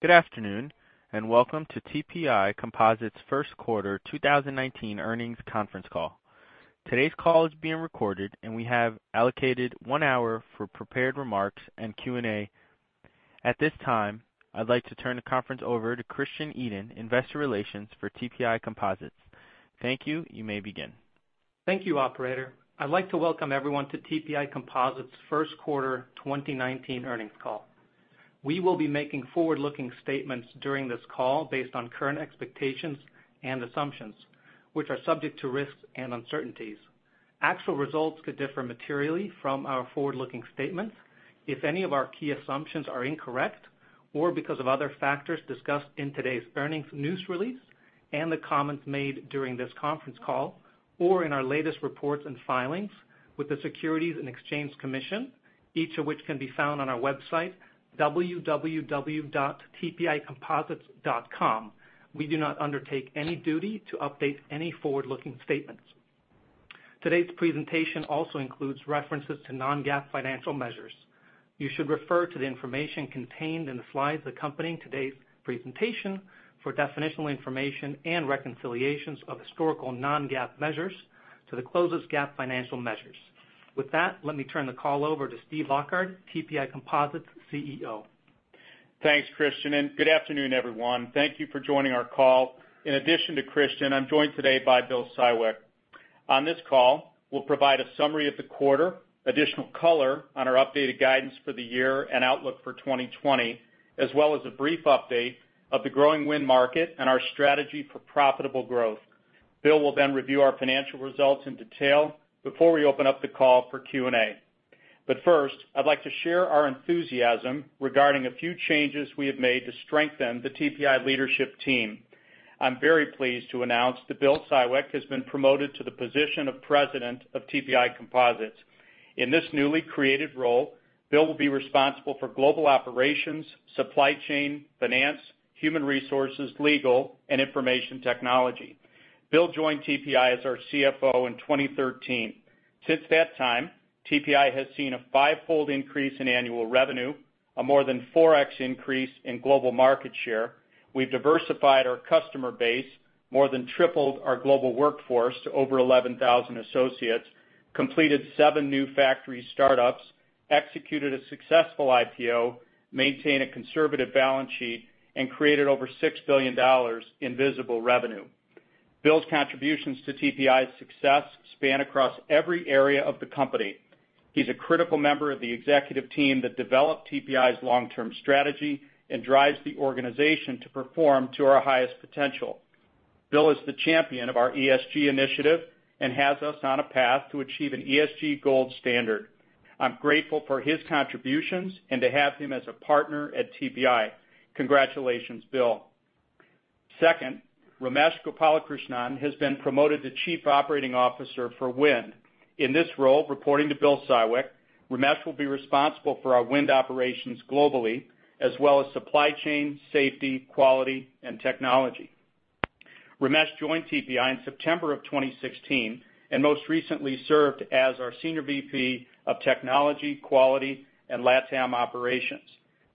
Good afternoon, welcome to TPI Composites' First Quarter 2019 Earnings Conference Call. Today's call is being recorded, we have allocated one hour for prepared remarks and Q&A. At this time, I'd like to turn the conference over to Christian Edin, Investor Relations for TPI Composites. Thank you. You may begin. Thank you, operator. I'd like to welcome everyone to TPI Composites' First Quarter 2019 Earnings Call. We will be making forward-looking statements during this call based on current expectations and assumptions, which are subject to risks and uncertainties. Actual results could differ materially from our forward-looking statements if any of our key assumptions are incorrect or because of other factors discussed in today's earnings news release and the comments made during this conference call or in our latest reports and filings with the Securities and Exchange Commission, each of which can be found on our website, www.tpicomposites.com. We do not undertake any duty to update any forward-looking statements. Today's presentation also includes references to non-GAAP financial measures. You should refer to the information contained in the slides accompanying today's presentation for definitional information and reconciliations of historical non-GAAP measures to the closest GAAP financial measures. With that, let me turn the call over to Steve Lockard, TPI Composites' CEO. Thanks, Christian, good afternoon, everyone. Thank you for joining our call. In addition to Christian, I'm joined today by Bill Siwek. On this call, we'll provide a summary of the quarter, additional color on our updated guidance for the year and outlook for 2020, as well as a brief update of the growing wind market and our strategy for profitable growth. Bill will then review our financial results in detail before we open up the call for Q&A. First, I'd like to share our enthusiasm regarding a few changes we have made to strengthen the TPI leadership team. I'm very pleased to announce that Bill Siwek has been promoted to the position of President of TPI Composites. In this newly created role, Bill will be responsible for global operations, supply chain, finance, human resources, legal, and information technology. Bill joined TPI as our CFO in 2013. Since that time, TPI has seen a fivefold increase in annual revenue, a more than 4x increase in global market share. We've diversified our customer base, more than tripled our global workforce to over 11,000 associates, completed seven new factory startups, executed a successful IPO, maintained a conservative balance sheet, and created over $6 billion in visible revenue. Bill's contributions to TPI's success span across every area of the company. He's a critical member of the executive team that developed TPI's long-term strategy and drives the organization to perform to our highest potential. Bill is the champion of our ESG initiative and has us on a path to achieve an ESG gold standard. I'm grateful for his contributions and to have him as a partner at TPI. Congratulations, Bill. Second, Ramesh Gopalakrishnan has been promoted to Chief Operating Officer for Wind. In this role, reporting to Bill Siwek, Ramesh will be responsible for our Wind operations globally as well as supply chain, safety, quality, and technology. Ramesh joined TPI in September of 2016 and most recently served as our Senior VP of Technology, Quality, and LATAM Operations.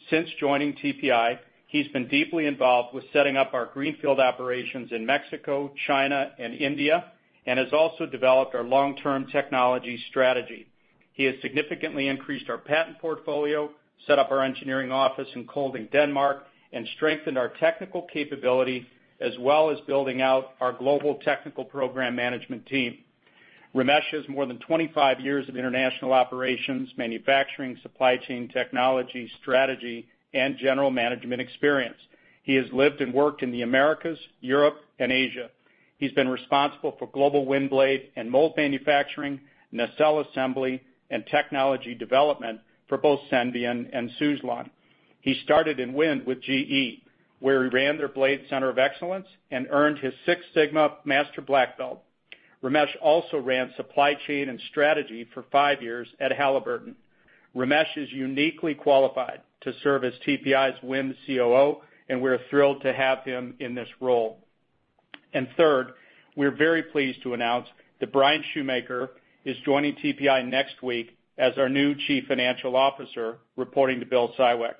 Since joining TPI, he's been deeply involved with setting up our greenfield operations in Mexico, China, and India, and has also developed our long-term technology strategy. He has significantly increased our patent portfolio, set up our engineering office in Kolding, Denmark, and strengthened our technical capability, as well as building out our global technical program management team. Ramesh has more than 25 years of international operations, manufacturing, supply chain technology, strategy, and general management experience. He has lived and worked in the Americas, Europe, and Asia. He's been responsible for global wind blade and mold manufacturing, nacelle assembly, and technology development for both Senvion and Suzlon. He started in wind with GE, where he ran their Blade Center of Excellence and earned his Six Sigma Master Black Belt. Ramesh also ran supply chain and strategy for five years at Halliburton. Ramesh is uniquely qualified to serve as TPI's Wind COO, and we're thrilled to have him in this role. Third, we are very pleased to announce that Bryan Schumaker is joining TPI next week as our new Chief Financial Officer, reporting to Bill Siwek.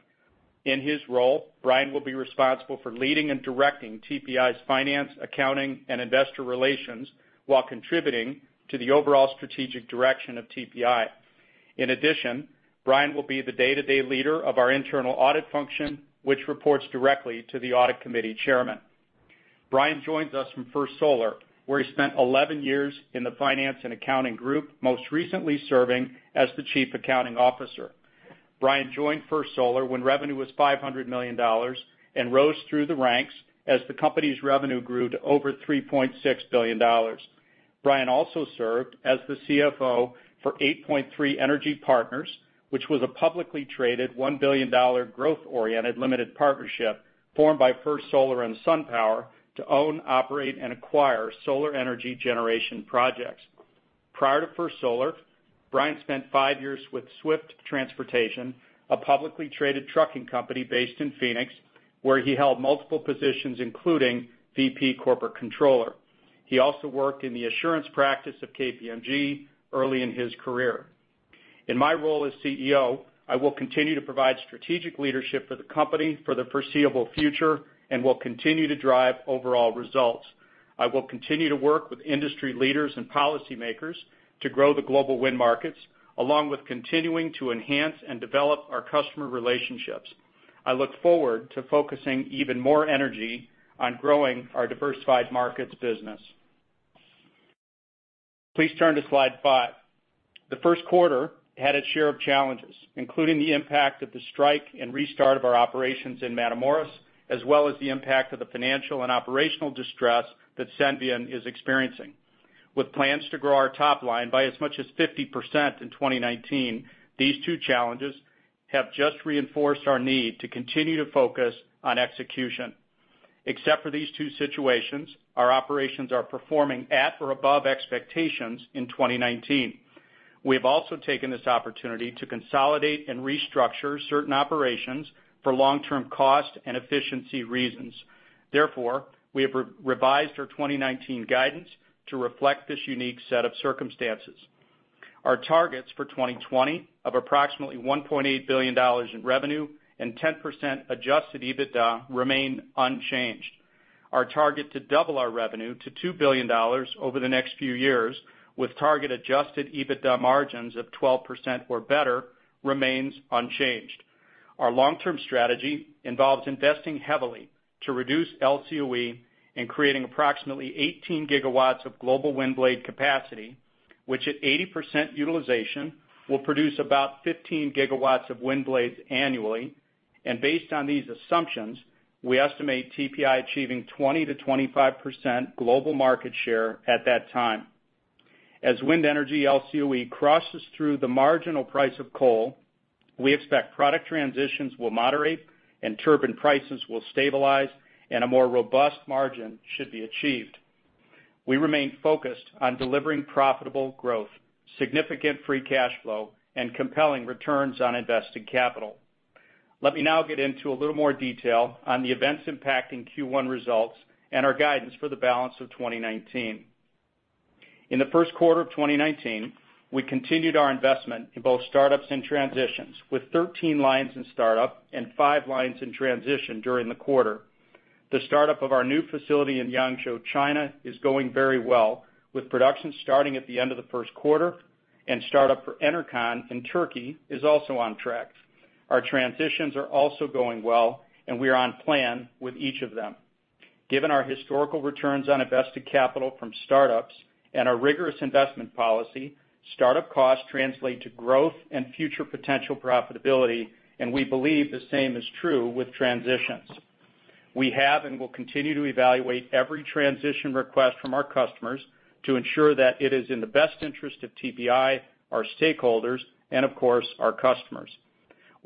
In his role, Bryan will be responsible for leading and directing TPI's finance, accounting, and investor relations while contributing to the overall strategic direction of TPI. In addition, Bryan will be the day-to-day leader of our internal audit function, which reports directly to the audit committee chairman. Bryan joins us from First Solar, where he spent 11 years in the finance and accounting group, most recently serving as the chief accounting officer. Bryan joined First Solar when revenue was $500 million and rose through the ranks as the company's revenue grew to over $3.6 billion. Bryan also served as the CFO for 8point3 Energy Partners, which was a publicly traded $1 billion growth-oriented limited partnership formed by First Solar and SunPower to own, operate, and acquire solar energy generation projects. Prior to First Solar, Bryan spent five years with Swift Transportation, a publicly traded trucking company based in Phoenix, where he held multiple positions, including VP corporate controller. He also worked in the assurance practice of KPMG early in his career. In my role as CEO, I will continue to provide strategic leadership for the company for the foreseeable future and will continue to drive overall results. I will continue to work with industry leaders and policymakers to grow the global wind markets, along with continuing to enhance and develop our customer relationships. I look forward to focusing even more energy on growing our diversified markets business. Please turn to slide five. The first quarter had its share of challenges, including the impact of the strike and restart of our operations in Matamoros, as well as the impact of the financial and operational distress that Senvion is experiencing. With plans to grow our top line by as much as 50% in 2019, these two challenges have just reinforced our need to continue to focus on execution. Except for these two situations, our operations are performing at or above expectations in 2019. We have also taken this opportunity to consolidate and restructure certain operations for long-term cost and efficiency reasons. We have revised our 2019 guidance to reflect this unique set of circumstances. Our targets for 2020 of approximately $1.8 billion in revenue and 10% adjusted EBITDA remain unchanged. Our target to double our revenue to $2 billion over the next few years, with target adjusted EBITDA margins of 12% or better, remains unchanged. Our long-term strategy involves investing heavily to reduce LCOE and creating approximately 18 GW of global wind blade capacity, which at 80% utilization, will produce about 15 GW of wind blades annually. Based on these assumptions, we estimate TPI achieving 20%-25% global market share at that time. As wind energy LCOE crosses through the marginal price of coal, we expect product transitions will moderate and turbine prices will stabilize, and a more robust margin should be achieved. We remain focused on delivering profitable growth, significant free cash flow, and compelling returns on investing capital. Let me now get into a little more detail on the events impacting Q1 results and our guidance for the balance of 2019. In the first quarter of 2019, we continued our investment in both startups and transitions, with 13 lines in startup and five lines in transition during the quarter. The startup of our new facility in Yangzhou, China is going very well, with production starting at the end of the first quarter. Startup for Enercon in Turkey is also on track. Our transitions are also going well. We are on plan with each of them. Given our historical returns on invested capital from startups and our rigorous investment policy, startup costs translate to growth and future potential profitability. We believe the same is true with transitions. We have and will continue to evaluate every transition request from our customers to ensure that it is in the best interest of TPI, our stakeholders, and of course, our customers.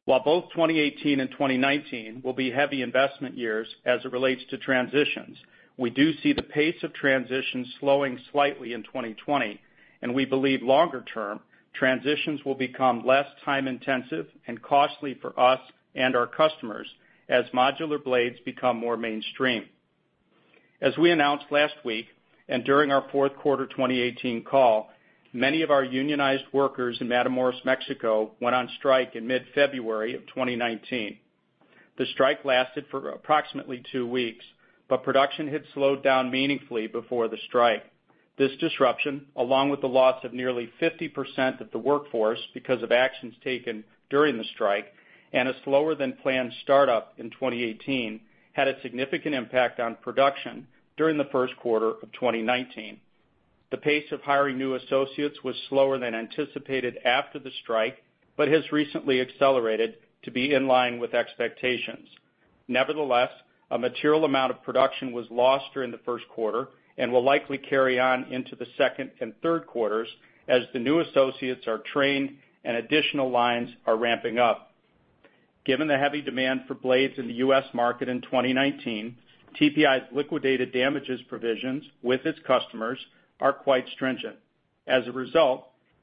While both 2018 and 2019 will be heavy investment years as it relates to transitions, we do see the pace of transitions slowing slightly in 2020. We believe longer term, transitions will become less time-intensive and costly for us and our customers as modular blades become more mainstream. As we announced last week and during our fourth quarter 2018 call, many of our unionized workers in Matamoros, Mexico went on strike in mid-February of 2019. The strike lasted for approximately two weeks. Production had slowed down meaningfully before the strike. This disruption, along with the loss of nearly 50% of the workforce because of actions taken during the strike, and a slower than planned startup in 2018, had a significant impact on production during the first quarter of 2019. The pace of hiring new associates was slower than anticipated after the strike, but has recently accelerated to be in line with expectations. Nevertheless, a material amount of production was lost during the first quarter and will likely carry on into the second and third quarters as the new associates are trained and additional lines are ramping up. Given the heavy demand for blades in the U.S. market in 2019, TPI's liquidated damages provisions with its customers are quite stringent.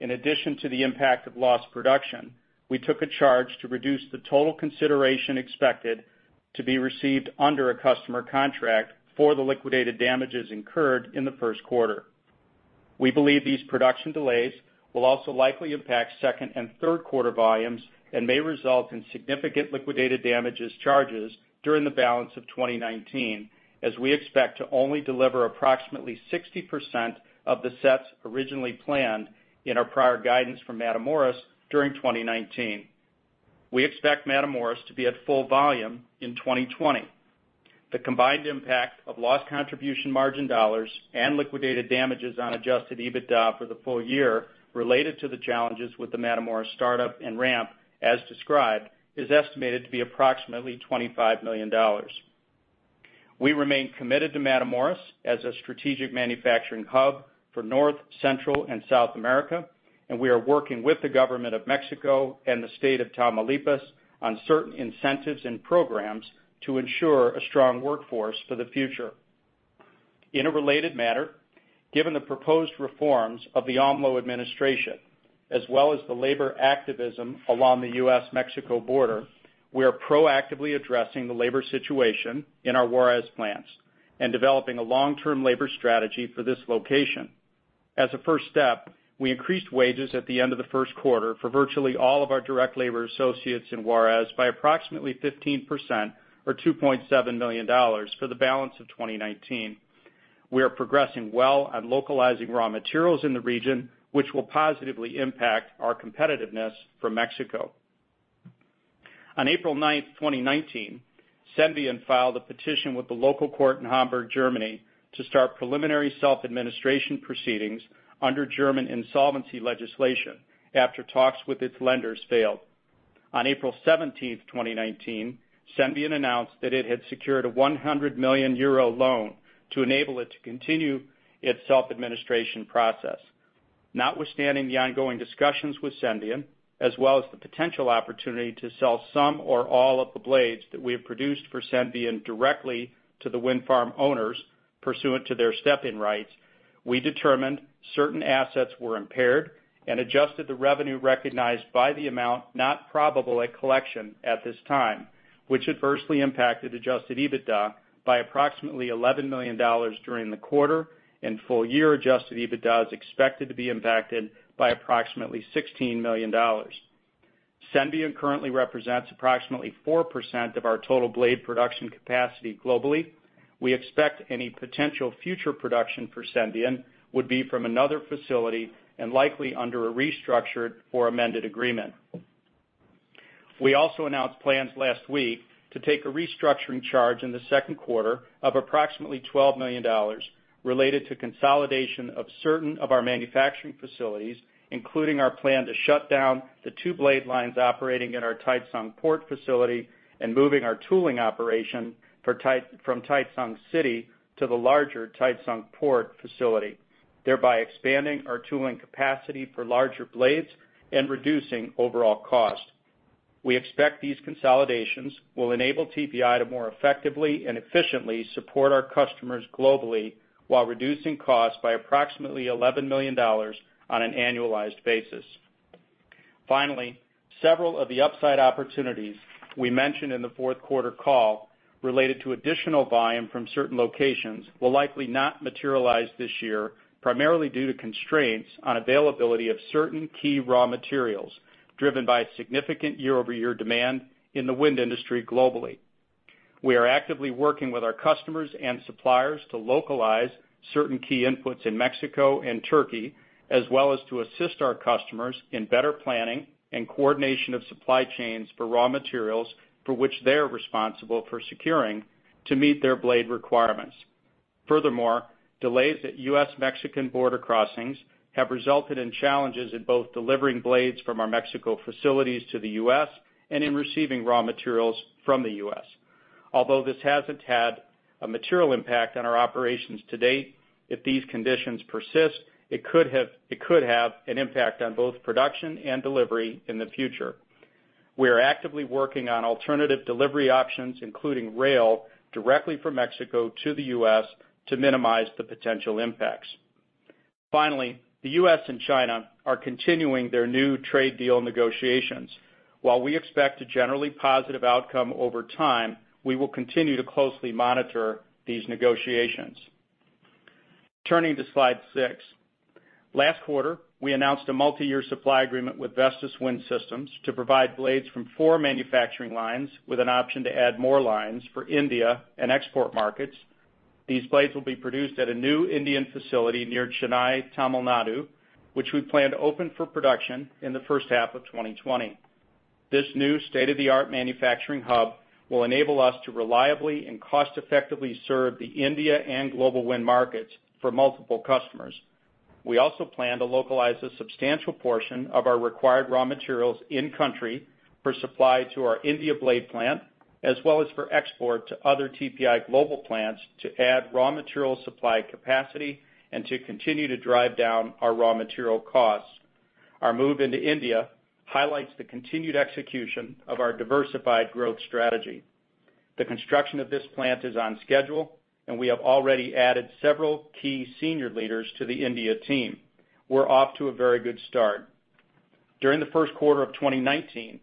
In addition to the impact of lost production, we took a charge to reduce the total consideration expected to be received under a customer contract for the liquidated damages incurred in the first quarter. We believe these production delays will also likely impact second and third quarter volumes and may result in significant liquidated damages charges during the balance of 2019, as we expect to only deliver approximately 60% of the sets originally planned in our prior guidance from Matamoros during 2019. We expect Matamoros to be at full volume in 2020. The combined impact of lost contribution margin dollars and liquidated damages on adjusted EBITDA for the full year related to the challenges with the Matamoros startup and ramp, as described, is estimated to be approximately $25 million. We remain committed to Matamoros as a strategic manufacturing hub for North, Central, and South America. We are working with the Government of Mexico and the state of Tamaulipas on certain incentives and programs to ensure a strong workforce for the future. In a related matter, given the proposed reforms of the AMLO administration, as well as the labor activism along the U.S.-Mexico border, we are proactively addressing the labor situation in our Juarez plants. Developing a long-term labor strategy for this location. As a first step, we increased wages at the end of the first quarter for virtually all of our direct labor associates in Juarez by approximately 15%, or $2.7 million for the balance of 2019. We are progressing well on localizing raw materials in the region, which will positively impact our competitiveness from Mexico. On April 9th, 2019, Senvion filed a petition with the local court in Hamburg, Germany, to start preliminary self-administration proceedings under German insolvency legislation after talks with its lenders failed. On April 17th, 2019, Senvion announced that it had secured a 100 million euro loan to enable it to continue its self-administration process. Notwithstanding the ongoing discussions with Senvion, as well as the potential opportunity to sell some or all of the blades that we have produced for Senvion directly to the wind farm owners pursuant to their step-in rights, we determined certain assets were impaired and adjusted the revenue recognized by the amount not probable at collection at this time, which adversely impacted adjusted EBITDA by approximately $11 million during the quarter. Full-year adjusted EBITDA is expected to be impacted by approximately $16 million. Senvion currently represents approximately 4% of our total blade production capacity globally. We expect any potential future production for Senvion would be from another facility and likely under a restructured or amended agreement. We also announced plans last week to take a restructuring charge in the second quarter of approximately $12 million related to consolidation of certain of our manufacturing facilities, including our plan to shut down the two blade lines operating at our Taicang port facility and moving our tooling operation from Taicang City to the larger Taicang Port facility, thereby expanding our tooling capacity for larger blades and reducing overall cost. We expect these consolidations will enable TPI to more effectively and efficiently support our customers globally while reducing costs by approximately $11 million on an annualized basis. Several of the upside opportunities we mentioned in the fourth quarter call related to additional volume from certain locations will likely not materialize this year, primarily due to constraints on availability of certain key raw materials, driven by significant year-over-year demand in the wind industry globally. We are actively working with our customers and suppliers to localize certain key inputs in Mexico and Turkey, as well as to assist our customers in better planning and coordination of supply chains for raw materials for which they are responsible for securing to meet their blade requirements. Furthermore, delays at U.S.-Mexican border crossings have resulted in challenges in both delivering blades from our Mexico facilities to the U.S. and in receiving raw materials from the U.S. Although this hasn't had a material impact on our operations to date, if these conditions persist, it could have an impact on both production and delivery in the future. We are actively working on alternative delivery options, including rail, directly from Mexico to the U.S. to minimize the potential impacts. The U.S. and China are continuing their new trade deal negotiations. While we expect a generally positive outcome over time, we will continue to closely monitor these negotiations. Turning to slide six. Last quarter, we announced a multiyear supply agreement with Vestas Wind Systems to provide blades from four manufacturing lines with an option to add more lines for India and export markets. These blades will be produced at a new Indian facility near Chennai, Tamil Nadu, which we plan to open for production in the first half of 2020. This new state-of-the-art manufacturing hub will enable us to reliably and cost-effectively serve the India and global wind markets for multiple customers. We also plan to localize a substantial portion of our required raw materials in-country for supply to our India blade plant, as well as for export to other TPI global plants to add raw material supply capacity and to continue to drive down our raw material costs. Our move into India highlights the continued execution of our diversified growth strategy. The construction of this plant is on schedule, and we have already added several key senior leaders to the India team. We're off to a very good start. During the first quarter of 2019,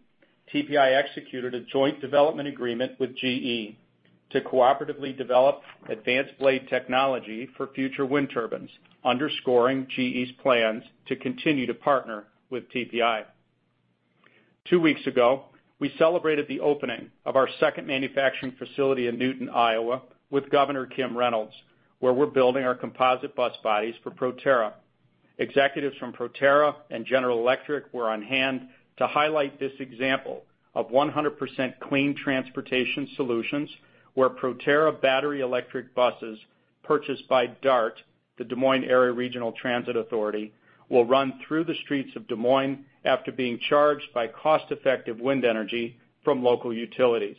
TPI executed a joint development agreement with GE to cooperatively develop advanced blade technology for future wind turbines, underscoring GE's plans to continue to partner with TPI. Two weeks ago, we celebrated the opening of our second manufacturing facility in Newton, Iowa, with Governor Kim Reynolds, where we're building our composite bus bodies for Proterra. Executives from Proterra and General Electric were on hand to highlight this example of 100% clean transportation solutions, where Proterra battery electric buses purchased by DART, the Des Moines Area Regional Transit Authority, will run through the streets of Des Moines after being charged by cost-effective wind energy from local utilities.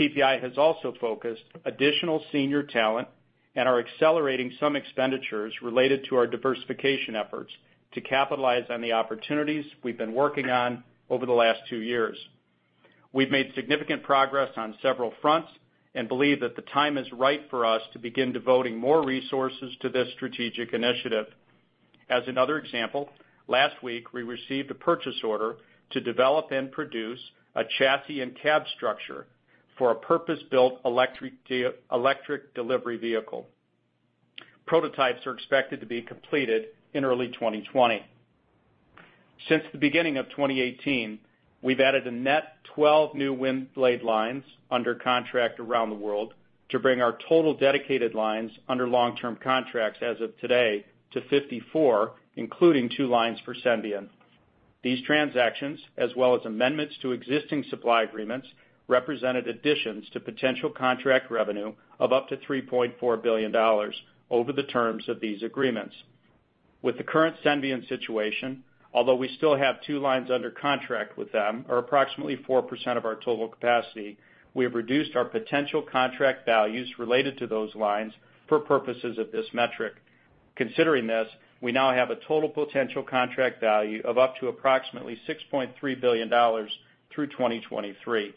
TPI has also focused additional senior talent and are accelerating some expenditures related to our diversification efforts to capitalize on the opportunities we've been working on over the last two years. We've made significant progress on several fronts and believe that the time is right for us to begin devoting more resources to this strategic initiative. As another example, last week, we received a purchase order to develop and produce a chassis and cab structure for a purpose-built electric delivery vehicle. Prototypes are expected to be completed in early 2020. Since the beginning of 2018, we've added a net 12 new wind blade lines under contract around the world to bring our total dedicated lines under long-term contracts as of today to 54, including two lines for Senvion. These transactions, as well as amendments to existing supply agreements, represented additions to potential contract revenue of up to $3.4 billion over the terms of these agreements. With the current Senvion situation, although we still have two lines under contract with them, or approximately 4% of our total capacity, we have reduced our potential contract values related to those lines for purposes of this metric. Considering this, we now have a total potential contract value of up to approximately $6.3 billion through 2023.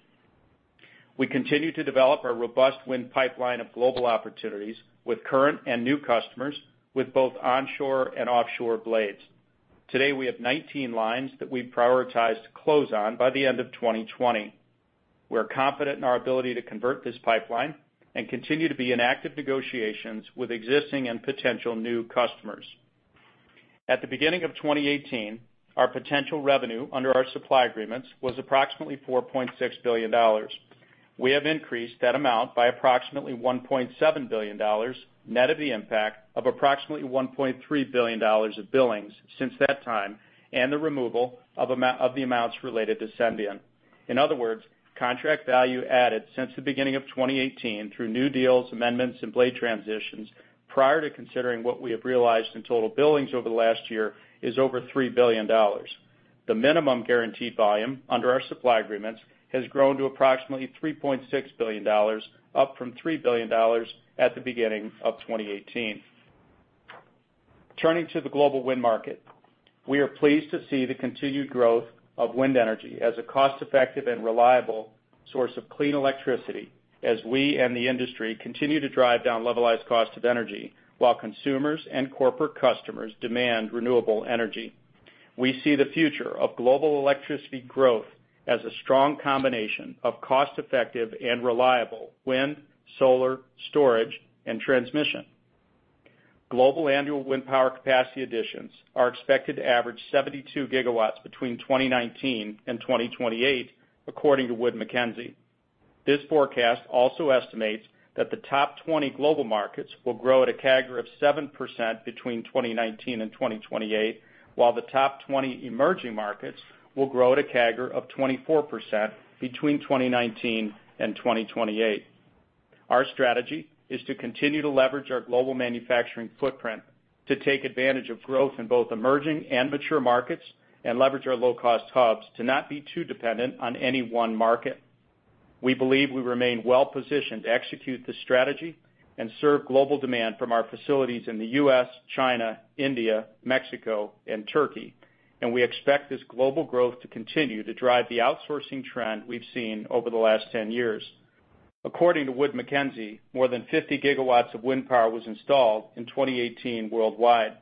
We continue to develop our robust wind pipeline of global opportunities with current and new customers with both onshore and offshore blades. Today, we have 19 lines that we've prioritized to close on by the end of 2020. We're confident in our ability to convert this pipeline and continue to be in active negotiations with existing and potential new customers. At the beginning of 2018, our potential revenue under our supply agreements was approximately $4.6 billion. We have increased that amount by approximately $1.7 billion, net of the impact of approximately $1.3 billion of billings since that time, and the removal of the amounts related to Senvion. In other words, contract value added since the beginning of 2018 through new deals, amendments, and blade transitions prior to considering what we have realized in total billings over the last year is over $3 billion. The minimum guaranteed volume under our supply agreements has grown to approximately $3.6 billion, up from $3 billion at the beginning of 2018. Turning to the global wind market, we are pleased to see the continued growth of wind energy as a cost-effective and reliable source of clean electricity as we and the industry continue to drive down levelized cost of energy while consumers and corporate customers demand renewable energy. We see the future of global electricity growth as a strong combination of cost-effective and reliable wind, solar, storage, and transmission. Global annual wind power capacity additions are expected to average 72 GW between 2019 and 2028, according to Wood Mackenzie. This forecast also estimates that the top 20 global markets will grow at a CAGR of 7% between 2019 and 2028, while the top 20 emerging markets will grow at a CAGR of 24% between 2019 and 2028. Our strategy is to continue to leverage our global manufacturing footprint to take advantage of growth in both emerging and mature markets and leverage our low-cost hubs to not be too dependent on any one market. We believe we remain well positioned to execute this strategy and serve global demand from our facilities in the U.S., China, India, Mexico, and Turkey. We expect this global growth to continue to drive the outsourcing trend we've seen over the last 10 years. According to Wood Mackenzie, more than 50 GW of wind power was installed in 2018 worldwide.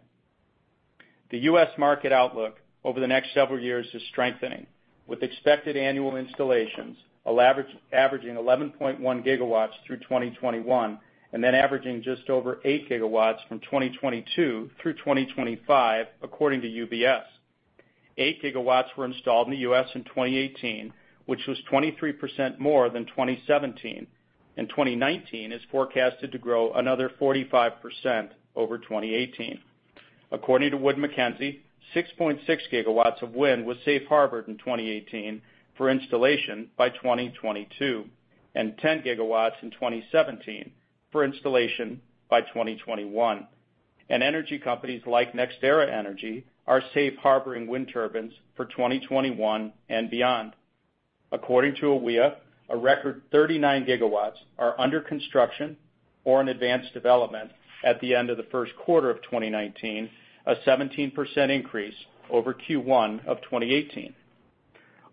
The U.S. market outlook over the next several years is strengthening, with expected annual installations averaging 11.1 GW through 2021 and then averaging just over 8 GW from 2022 through 2025, according to UBS. 8 GW were installed in the U.S. in 2018, which was 23% more than 2017, and 2019 is forecasted to grow another 45% over 2018. According to Wood Mackenzie, 6.6 GW of wind was safe harbored in 2018 for installation by 2022, and 10 GW in 2017 for installation by 2021. Energy companies like NextEra Energy are safe harboring wind turbines for 2021 and beyond. According to AWEA, a record 39 GW are under construction or in advanced development at the end of the first quarter of 2019, a 17% increase over Q1 of 2018.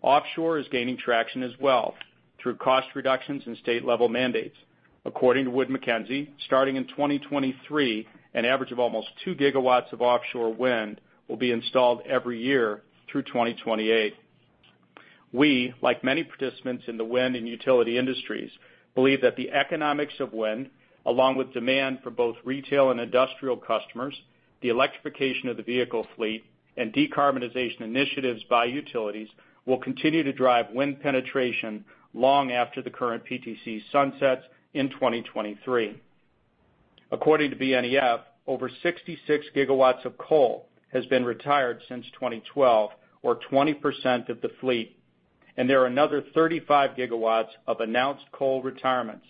Offshore is gaining traction as well through cost reductions and state-level mandates. According to Wood Mackenzie, starting in 2023, an average of almost 2 GW of offshore wind will be installed every year through 2028. We, like many participants in the wind and utility industries, believe that the economics of wind, along with demand for both retail and industrial customers, the electrification of the vehicle fleet, and decarbonization initiatives by utilities, will continue to drive wind penetration long after the current PTC sunsets in 2023. According to BNEF, over 66 GW of coal has been retired since 2012, or 20% of the fleet, and there are another 35 GW of announced coal retirements.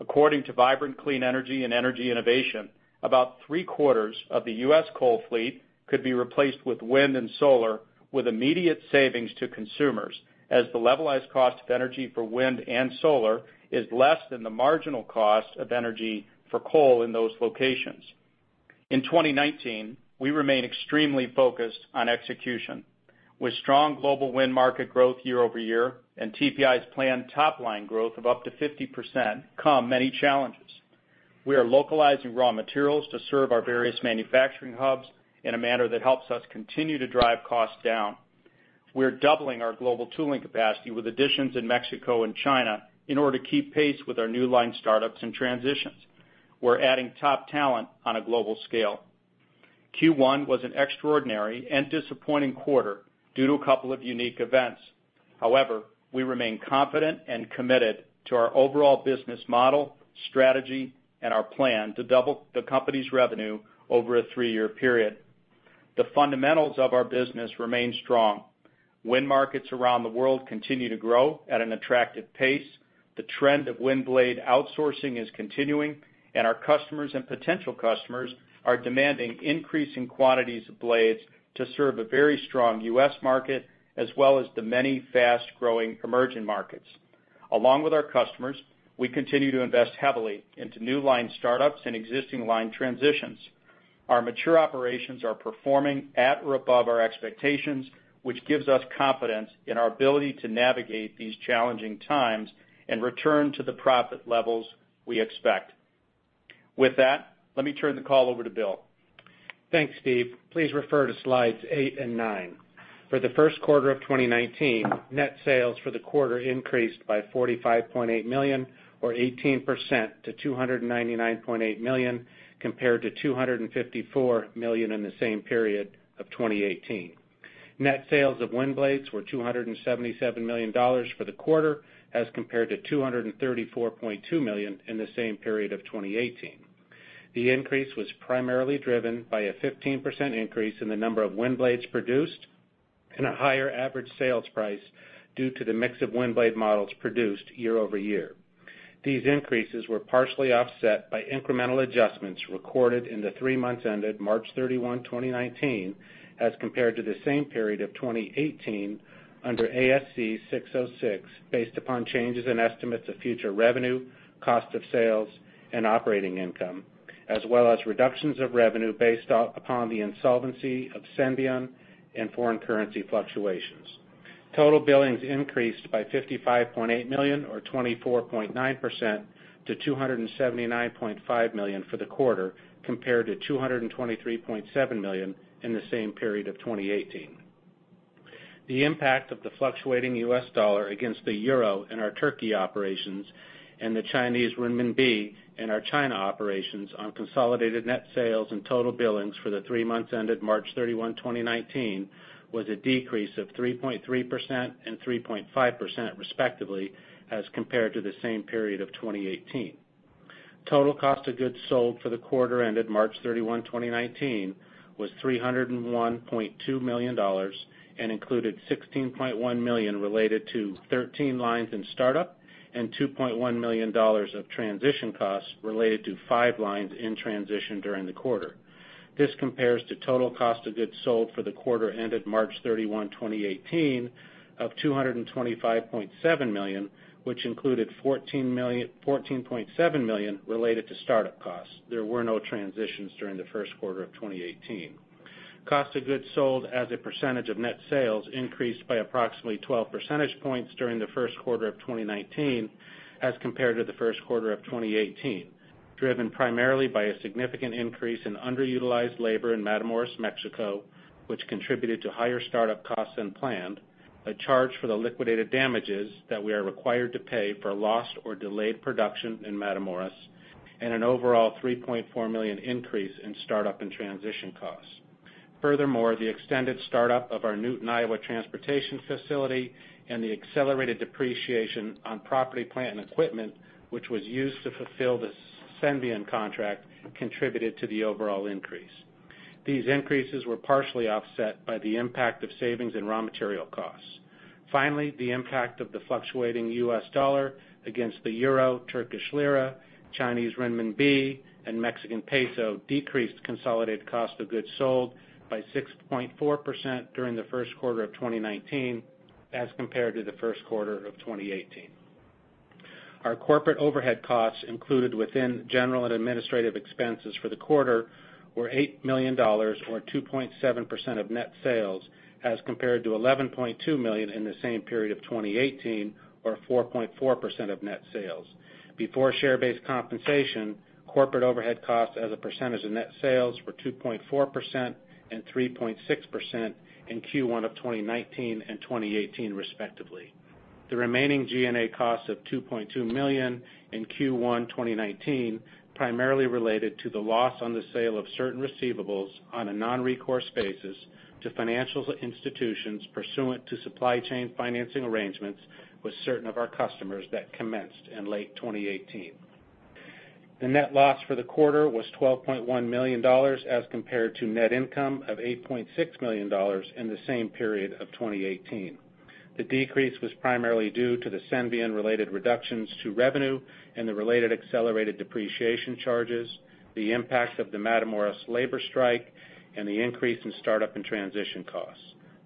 According to Vibrant Clean Energy and Energy Innovation, about three-quarters of the U.S. coal fleet could be replaced with wind and solar with immediate savings to consumers as the levelized cost of energy for wind and solar is less than the marginal cost of energy for coal in those locations. In 2019, we remain extremely focused on execution. With strong global wind market growth year-over-year and TPI's planned top-line growth of up to 50% come many challenges. We are localizing raw materials to serve our various manufacturing hubs in a manner that helps us continue to drive costs down. We're doubling our global tooling capacity with additions in Mexico and China in order to keep pace with our new line startups and transitions. We're adding top talent on a global scale. Q1 was an extraordinary and disappointing quarter due to a couple of unique events. However, we remain confident and committed to our overall business model, strategy, and our plan to double the company's revenue over a three-year period. The fundamentals of our business remain strong. Wind markets around the world continue to grow at an attractive pace. The trend of wind blade outsourcing is continuing, and our customers and potential customers are demanding increasing quantities of blades to serve a very strong U.S. market, as well as the many fast-growing emerging markets. Along with our customers, we continue to invest heavily into new line startups and existing line transitions. Our mature operations are performing at or above our expectations, which gives us confidence in our ability to navigate these challenging times and return to the profit levels we expect. With that, let me turn the call over to Bill. Thanks, Steve. Please refer to slides eight and nine. For the first quarter of 2019, net sales for the quarter increased by $45.8 million or 18% to $299.8 million, compared to $254 million in the same period of 2018. Net sales of wind blades were $277 million for the quarter, as compared to $234.2 million in the same period of 2018. The increase was primarily driven by a 15% increase in the number of wind blades produced and a higher average sales price due to the mix of wind blade models produced year-over-year. These increases were partially offset by incremental adjustments recorded in the three months ended March 31, 2019, as compared to the same period of 2018 under ASC 606, based upon changes in estimates of future revenue, cost of sales, and operating income, as well as reductions of revenue based upon the insolvency of Senvion and foreign currency fluctuations. Total billings increased by $55.8 million or 24.9% to $279.5 million for the quarter, compared to $223.7 million in the same period of 2018. The impact of the fluctuating U.S. dollar against the EUR in our Turkey operations and the CNY in our China operations on consolidated net sales and total billings for the three months ended March 31, 2019, was a decrease of 3.3% and 3.5%, respectively, as compared to the same period of 2018. Total cost of goods sold for the quarter ended March 31, 2019, was $301.2 million and included $16.1 million related to 13 lines in startup and $2.1 million of transition costs related to five lines in transition during the quarter. This compares to total cost of goods sold for the quarter ended March 31, 2018, of $225.7 million, which included $14.7 million related to startup costs. There were no transitions during the first quarter of 2018. Cost of goods sold as a percentage of net sales increased by approximately 12 percentage points during the first quarter of 2019 as compared to the first quarter of 2018, driven primarily by a significant increase in underutilized labor in Matamoros, Mexico, which contributed to higher startup costs than planned, a charge for the liquidated damages that we are required to pay for lost or delayed production in Matamoros, and an overall $3.4 million increase in startup and transition costs. Furthermore, the extended startup of our Newton, Iowa, transportation facility and the accelerated depreciation on property, plant, and equipment, which was used to fulfill the Senvion contract, contributed to the overall increase. These increases were partially offset by the impact of savings in raw material costs. Finally, the impact of the fluctuating U.S. dollar against the euro, Turkish lira, Chinese renminbi, and Mexican peso decreased consolidated cost of goods sold by 6.4% during the first quarter of 2019 as compared to the first quarter of 2018. Our corporate overhead costs included within general and administrative expenses for the quarter were $8 million, or 2.7% of net sales, as compared to $11.2 million in the same period of 2018, or 4.4% of net sales. Before share-based compensation, corporate overhead costs as a percentage of net sales were 2.4% and 3.6% in Q1 of 2019 and 2018, respectively. The remaining G&A costs of $2.2 million in Q1 2019 primarily related to the loss on the sale of certain receivables on a non-recourse basis to financial institutions pursuant to supply chain financing arrangements with certain of our customers that commenced in late 2018. The net loss for the quarter was $12.1 million as compared to net income of $8.6 million in the same period of 2018. The decrease was primarily due to the Senvion-related reductions to revenue and the related accelerated depreciation charges, the impact of the Matamoros labor strike, and the increase in startup and transition costs.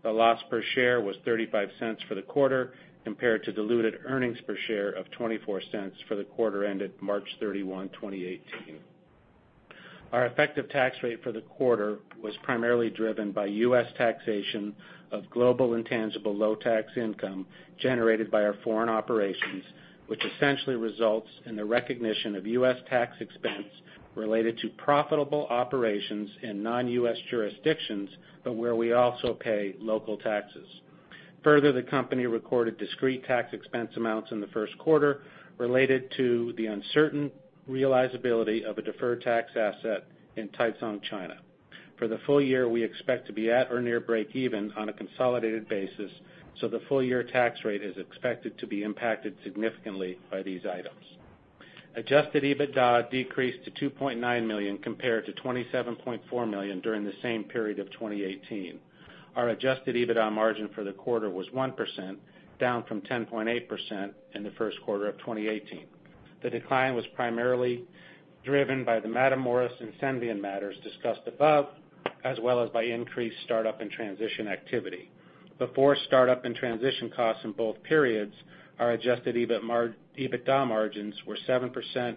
The loss per share was $0.35 for the quarter, compared to diluted earnings per share of $0.24 for the quarter ended March 31, 2018. Our effective tax rate for the quarter was primarily driven by U.S. taxation of global intangible low-tax income generated by our foreign operations, which essentially results in the recognition of U.S. tax expense related to profitable operations in non-U.S. jurisdictions, but where we also pay local taxes. Further, the company recorded discrete tax expense amounts in the first quarter related to the uncertain realizability of a deferred tax asset in Taicang, China. For the full year, we expect to be at or near breakeven on a consolidated basis, so the full-year tax rate is expected to be impacted significantly by these items. Adjusted EBITDA decreased to $2.9 million compared to $27.4 million during the same period of 2018. Our adjusted EBITDA margin for the quarter was 1%, down from 10.8% in the first quarter of 2018. The decline was primarily driven by the Matamoros and Senvion matters discussed above, as well as by increased startup and transition activity. Before startup and transition costs in both periods, our adjusted EBITDA margins were 7%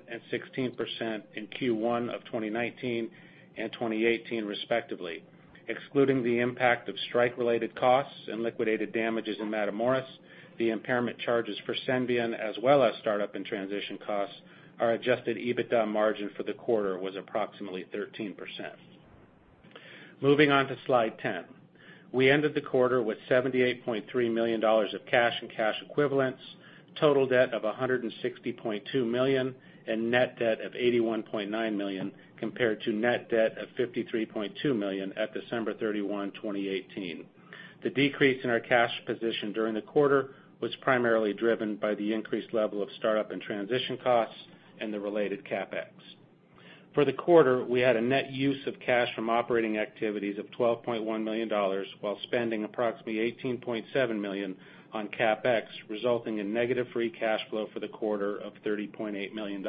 and 16% in Q1 of 2019 and 2018 respectively. Excluding the impact of strike-related costs and liquidated damages in Matamoros, the impairment charges for Senvion, as well as startup and transition costs, our adjusted EBITDA margin for the quarter was approximately 13%. Moving on to slide 10. We ended the quarter with $78.3 million of cash and cash equivalents, total debt of $160.2 million, and net debt of $81.9 million, compared to net debt of $53.2 million at December 31, 2018. The decrease in our cash position during the quarter was primarily driven by the increased level of startup and transition costs and the related CapEx. For the quarter, we had a net use of cash from operating activities of $12.1 million, while spending approximately $18.7 million on CapEx, resulting in negative free cash flow for the quarter of $30.8 million.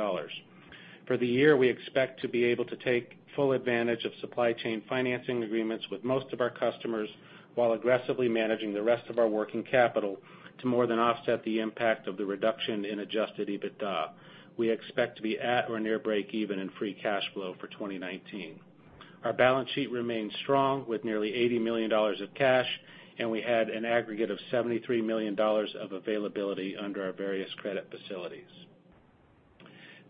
For the year, we expect to be able to take full advantage of supply chain financing agreements with most of our customers while aggressively managing the rest of our working capital to more than offset the impact of the reduction in adjusted EBITDA. We expect to be at or near breakeven in free cash flow for 2019. Our balance sheet remains strong with nearly $80 million of cash, and we had an aggregate of $73 million of availability under our various credit facilities.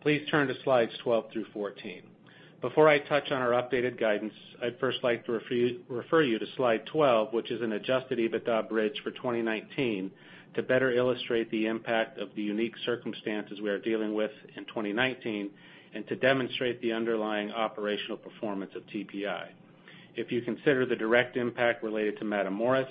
Please turn to slides 12 through 14. Before I touch on our updated guidance, I'd first like to refer you to slide 12, which is an adjusted EBITDA bridge for 2019 to better illustrate the impact of the unique circumstances we are dealing with in 2019 and to demonstrate the underlying operational performance of TPI. If you consider the direct impact related to Matamoros,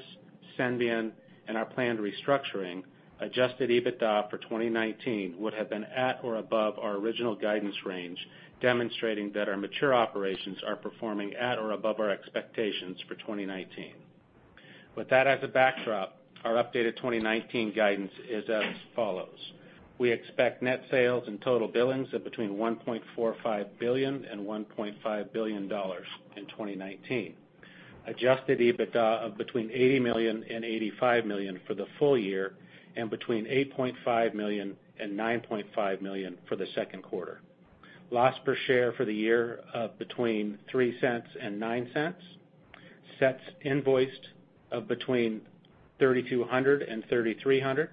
Senvion, and our planned restructuring, adjusted EBITDA for 2019 would have been at or above our original guidance range, demonstrating that our mature operations are performing at or above our expectations for 2019. With that as a backdrop, our updated 2019 guidance is as follows. We expect net sales and total billings of between $1.45 billion and $1.5 billion in 2019. Adjusted EBITDA of between $80 million and $85 million for the full year, and between $8.5 million and $9.5 million for the second quarter. Loss per share for the year of between $0.03 and $0.09. Sets invoiced of between 3,200 and 3,300.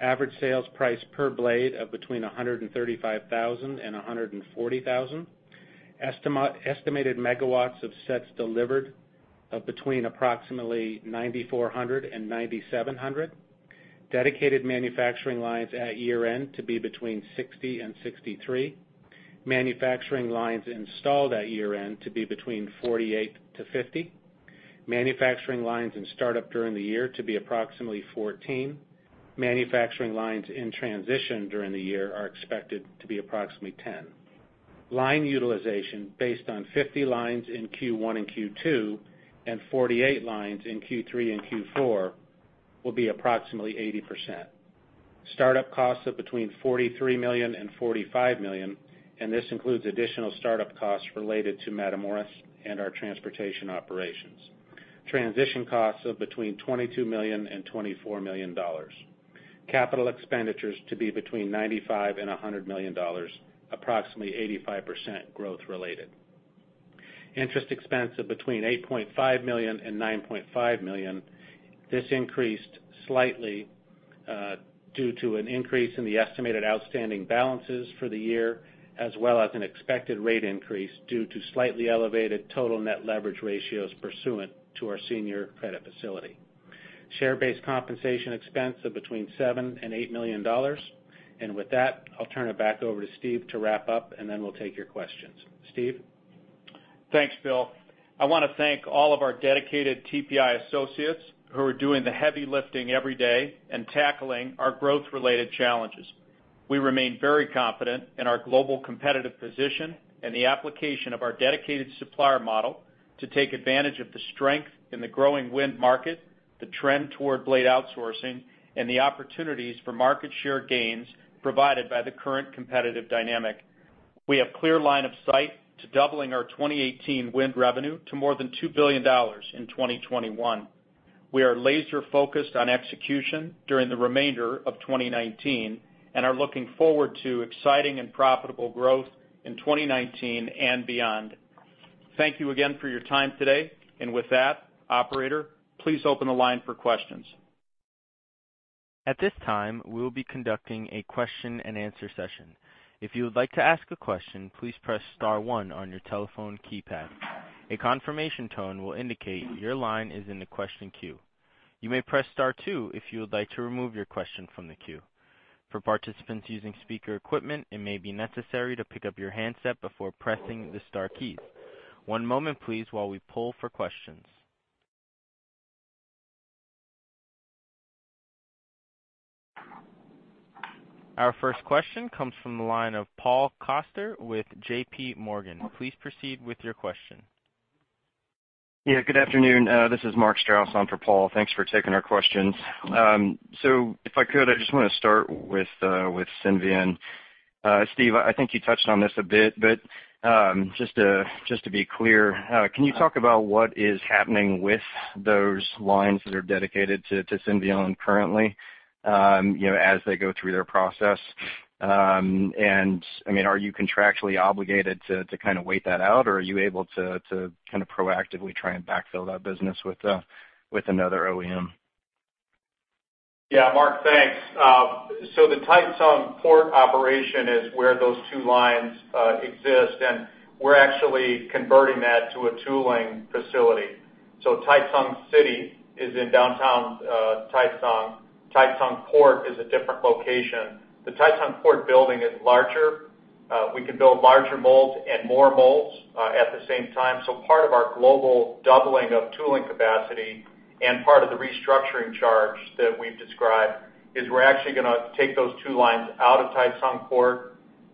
Average sales price per blade of between 135,000 and 140,000. Estimated megawatts of sets delivered of between approximately 9,400 and 9,700. Dedicated manufacturing lines at year-end to be between 60 and 63. Manufacturing lines installed at year-end to be between 48 to 50. Manufacturing lines in startup during the year to be approximately 14. Manufacturing lines in transition during the year are expected to be approximately 10. Line utilization based on 50 lines in Q1 and Q2 and 48 lines in Q3 and Q4 will be approximately 80%. Startup costs of between $43 million and $45 million, and this includes additional startup costs related to Matamoros and our transportation operations. Transition costs of between $22 million and $24 million. Capital expenditures to be between $95 million and $100 million, approximately 85% growth-related. Interest expense of between $8.5 million and $9.5 million. This increased slightly due to an increase in the estimated outstanding balances for the year, as well as an expected rate increase due to slightly elevated total net leverage ratios pursuant to our senior credit facility. Share-based compensation expense of between $7 million and $8 million. With that, I'll turn it back over to Steve to wrap up, and then we'll take your questions. Steve? Thanks, Bill. I want to thank all of our dedicated TPI associates who are doing the heavy lifting every day and tackling our growth-related challenges. We remain very confident in our global competitive position and the application of our dedicated supplier model to take advantage of the strength in the growing wind market, the trend toward blade outsourcing, and the opportunities for market share gains provided by the current competitive dynamic. We have clear line of sight to doubling our 2018 wind revenue to more than $2 billion in 2021. We are laser focused on execution during the remainder of 2019, and are looking forward to exciting and profitable growth in 2019 and beyond. Thank you again for your time today. With that, operator, please open the line for questions. At this time, we will be conducting a question and answer session. If you would like to ask a question, please press star one on your telephone keypad. A confirmation tone will indicate your line is in the question queue. You may press star two if you would like to remove your question from the queue. For participants using speaker equipment, it may be necessary to pick up your handset before pressing the star keys. One moment please, while we poll for questions. Our first question comes from the line of Paul Coster with JPMorgan. Please proceed with your question. Good afternoon. This is Mark Strouse on for Paul. Thanks for taking our questions. If I could, I just want to start with Senvion. Steve, I think you touched on this a bit, but just to be clear, can you talk about what is happening with those lines that are dedicated to Senvion currently as they go through their process? Are you contractually obligated to wait that out, or are you able to proactively try and backfill that business with another OEM? Mark, thanks. The Taicang Port operation is where those two lines exist, and we're actually converting that to a tooling facility. Taicang City is in downtown Taicang. Taicang Port is a different location. The Taicang Port building is larger. We can build larger molds and more molds at the same time. Part of our global doubling of tooling capacity and part of the restructuring charge that we've described is we're actually going to take those two lines out of Taicang Port,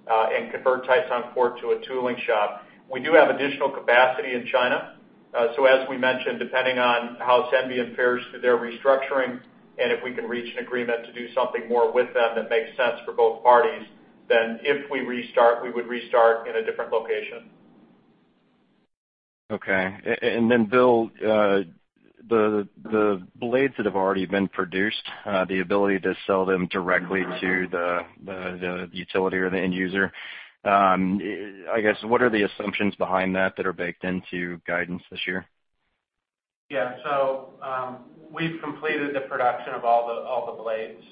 and convert Taicang Port to a tooling shop. We do have additional capacity in China. As we mentioned, depending on how Senvion pairs through their restructuring, and if we can reach an agreement to do something more with them that makes sense for both parties, then if we restart, we would restart in a different location. Okay. Bill, the blades that have already been produced, the ability to sell them directly to the utility or the end user, I guess what are the assumptions behind that that are baked into guidance this year? We've completed the production of all the blades,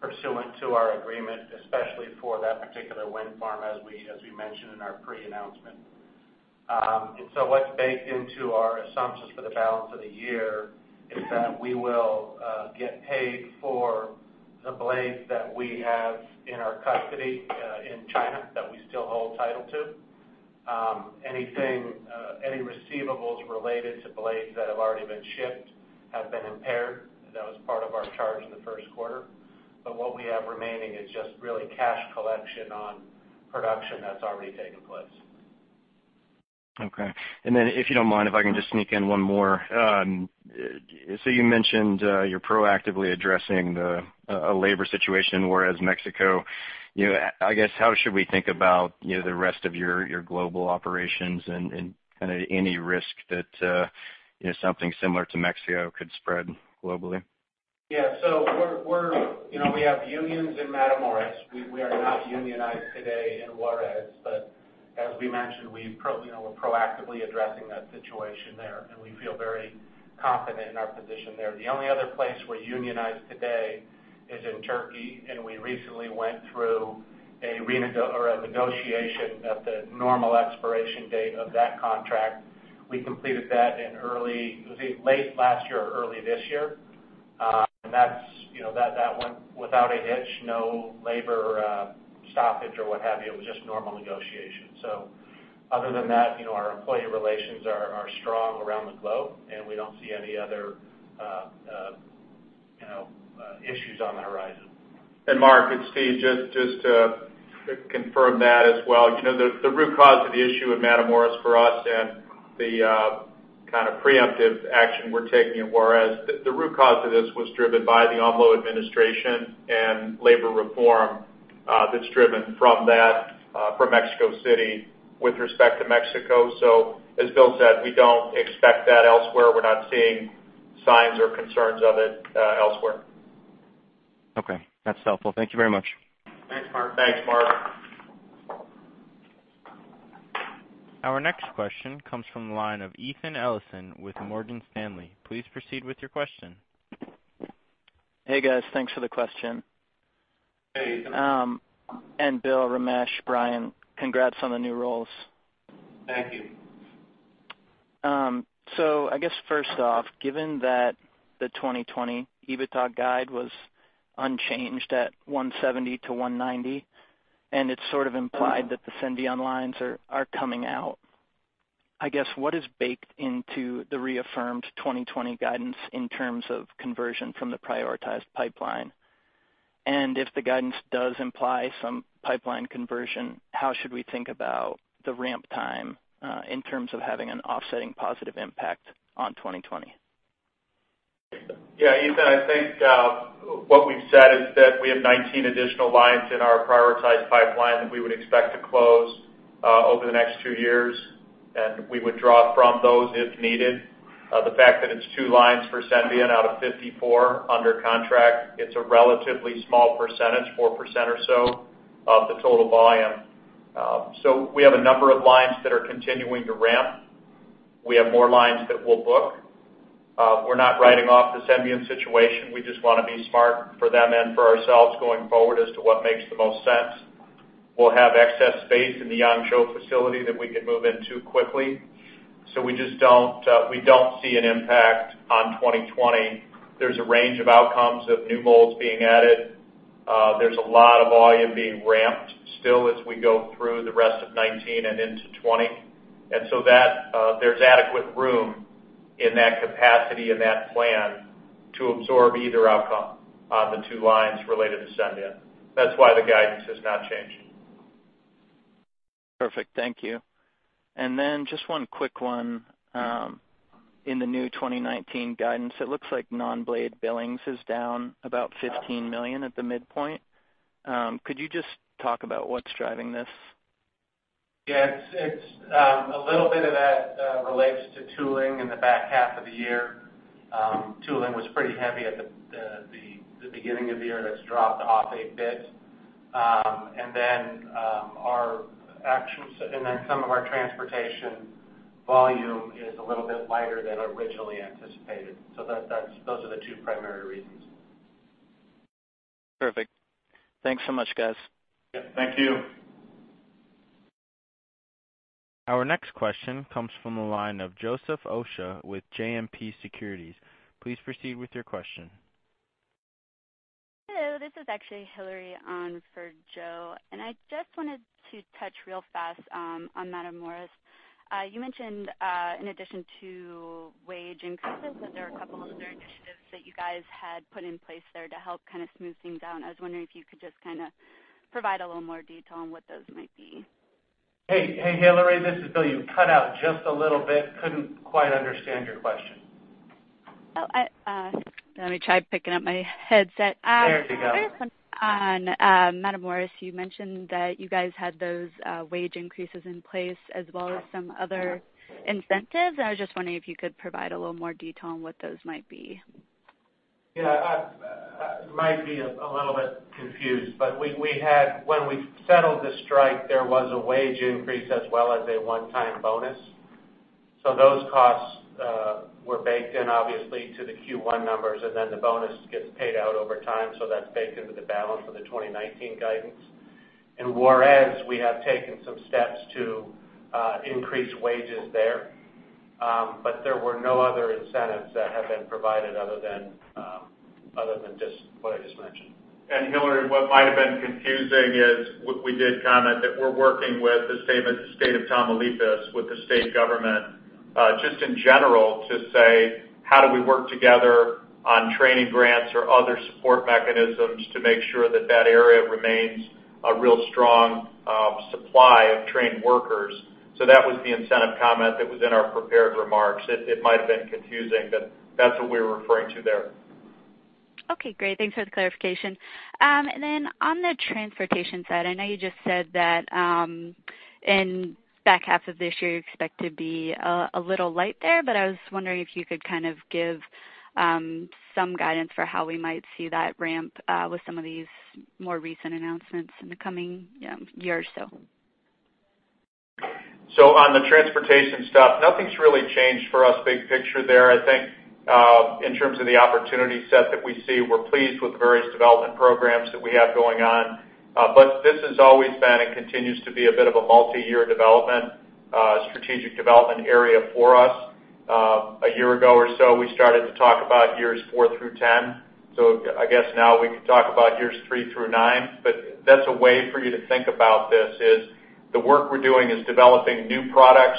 pursuant to our agreement, especially for that particular wind farm as we mentioned in our pre-announcement. What's baked into our assumptions for the balance of the year is that we will get paid for the blades that we have in our custody in China that we still hold title to. Any receivables related to blades that have already been shipped have been impaired. That was part of our charge in the first quarter. What we have remaining is just really cash collection on production that's already taken place. Okay. If you don't mind, if I can just sneak in one more. You mentioned you're proactively addressing a labor situation, whereas Mexico, I guess, how should we think about the rest of your global operations and any risk that something similar to Mexico could spread globally? Yeah. We have unions in Matamoros. We are not unionized today in Juarez, but as we mentioned, we're proactively addressing that situation there, and we feel very confident in our position there. The only other place we're unionized today is in Turkey, and we recently went through a negotiation at the normal expiration date of that contract. We completed that in late last year or early this year. That went without a hitch. No labor stoppage or what have you. It was just normal negotiation. Other than that, our employee relations are strong around the globe, and we don't see any other issues on the horizon. Mark, it's Steve, just to confirm that as well. The root cause of the issue in Matamoros for us and the preemptive action we're taking in Juarez, the root cause of this was driven by the AMLO administration and labor reform that's driven from that from Mexico City with respect to Mexico. As Bill said, we don't expect that elsewhere. We're not seeing signs or concerns of it elsewhere. Okay. That's helpful. Thank you very much. Thanks, Mark. Thanks, Mark. Our next question comes from the line of Ethan Ellison with Morgan Stanley. Please proceed with your question. Hey, guys. Thanks for the question. Hey. Bill, Ramesh, Bryan, congrats on the new roles. Thank you. I guess first off, given that the 2020 EBITDA guide was unchanged at $170 million-$190 million, and it's sort of implied that the Senvion lines are coming out, I guess, what is baked into the reaffirmed 2020 guidance in terms of conversion from the prioritized pipeline? If the guidance does imply some pipeline conversion, how should we think about the ramp time in terms of having an offsetting positive impact on 2020? Ethan, I think what we've said is that we have 19 additional lines in our prioritized pipeline that we would expect to close over the next two years, and we would draw from those if needed. The fact that it's two lines for Senvion out of 54 under contract, it's a relatively small percentage, 4% or so of the total volume. We have a number of lines that are continuing to ramp. We have more lines that we'll book. We're not writing off the Senvion situation. We just want to be smart for them and for ourselves going forward as to what makes the most sense. We'll have excess space in the Yangzhou facility that we can move into quickly. We don't see an impact on 2020. There's a range of outcomes of new molds being added. There's a lot of volume being ramped still as we go through the rest of 2019 and into 2020. There's adequate room in that capacity, in that plan to absorb either outcome on the two lines related to Senvion. That's why the guidance has not changed. Perfect, thank you. Just one quick one. In the new 2019 guidance, it looks like non-blade billings is down about $15 million at the midpoint. Could you just talk about what's driving this? Yeah. A little bit of that relates to tooling in the back half of the year. Tooling was pretty heavy at the beginning of the year, and it's dropped off a bit. Some of our transportation volume is a little bit lighter than originally anticipated. Those are the two primary reasons. Perfect. Thanks so much, guys. Thank you. Our next question comes from the line of Joseph Osha with JMP Securities. Please proceed with your question. Hello, this is actually Hillary on for Joe. I just wanted to touch real fast on Matamoros. You mentioned, in addition to wage increases, that there are a couple other initiatives that you guys had put in place there to help kind of smooth things down. I was wondering if you could just provide a little more detail on what those might be. Hey, Hillary, this is Bill. You cut out just a little bit. Couldn't quite understand your question. Oh, let me try picking up my headset. There you go. On Matamoros, you mentioned that you guys had those wage increases in place as well as some other incentives. I was just wondering if you could provide a little more detail on what those might be. Yeah. I might be a little bit confused. When we settled the strike, there was a wage increase as well as a one-time bonus. Those costs were baked in, obviously, to the Q1 numbers. Then the bonus gets paid out over time. That's baked into the balance of the 2019 guidance. In Juarez, we have taken some steps to increase wages there. There were no other incentives that have been provided other than just what I just mentioned. Hillary, what might have been confusing is we did comment that we're working with the state of Tamaulipas, with the state government, just in general to say, how do we work together on training grants or other support mechanisms to make sure that that area remains a real strong supply of trained workers. That was the incentive comment that was in our prepared remarks. It might have been confusing, but that's what we were referring to there. Okay, great. Thanks for the clarification. Then on the transportation side, I know you just said that in the back half of this year, you expect to be a little light there, but I was wondering if you could kind of give some guidance for how we might see that ramp with some of these more recent announcements in the coming year or so. On the transportation stuff, nothing's really changed for us big picture there. I think in terms of the opportunity set that we see, we're pleased with the various development programs that we have going on. This has always been and continues to be a bit of a multi-year strategic development area for us. A year ago or so, we started to talk about years 4 through 10. I guess now we could talk about years three through nine. That's a way for you to think about this is the work we're doing is developing new products,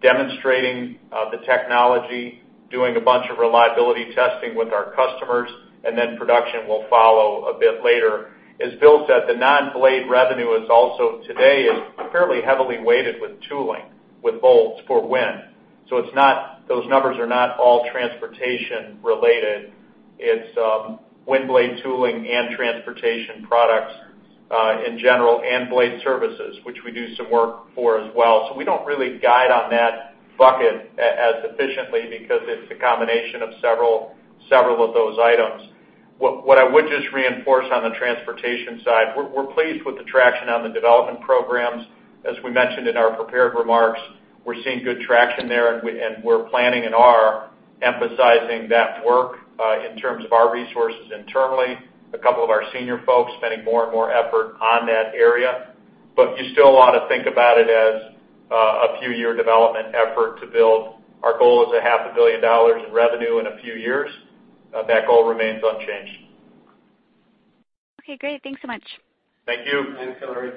demonstrating the technology, doing a bunch of reliability testing with our customers, and then production will follow a bit later. As Bill said, the non-blade revenue is also today is fairly heavily weighted with tooling, with bolts for wind. Those numbers are not all transportation related. It's wind blade tooling and transportation products, in general, and blade services, which we do some work for as well. We don't really guide on that bucket as efficiently because it's a combination of several of those items. What I would just reinforce on the transportation side, we're pleased with the traction on the development programs. As we mentioned in our prepared remarks, we're seeing good traction there, and we're planning and are emphasizing that work, in terms of our resources internally, a couple of our senior folks spending more and more effort on that area. You still want to think about it as a few-year development effort to build. Our goal is a half a billion dollars in revenue in a few years. That goal remains unchanged. Okay, great. Thanks so much. Thank you. Thanks, Hillary.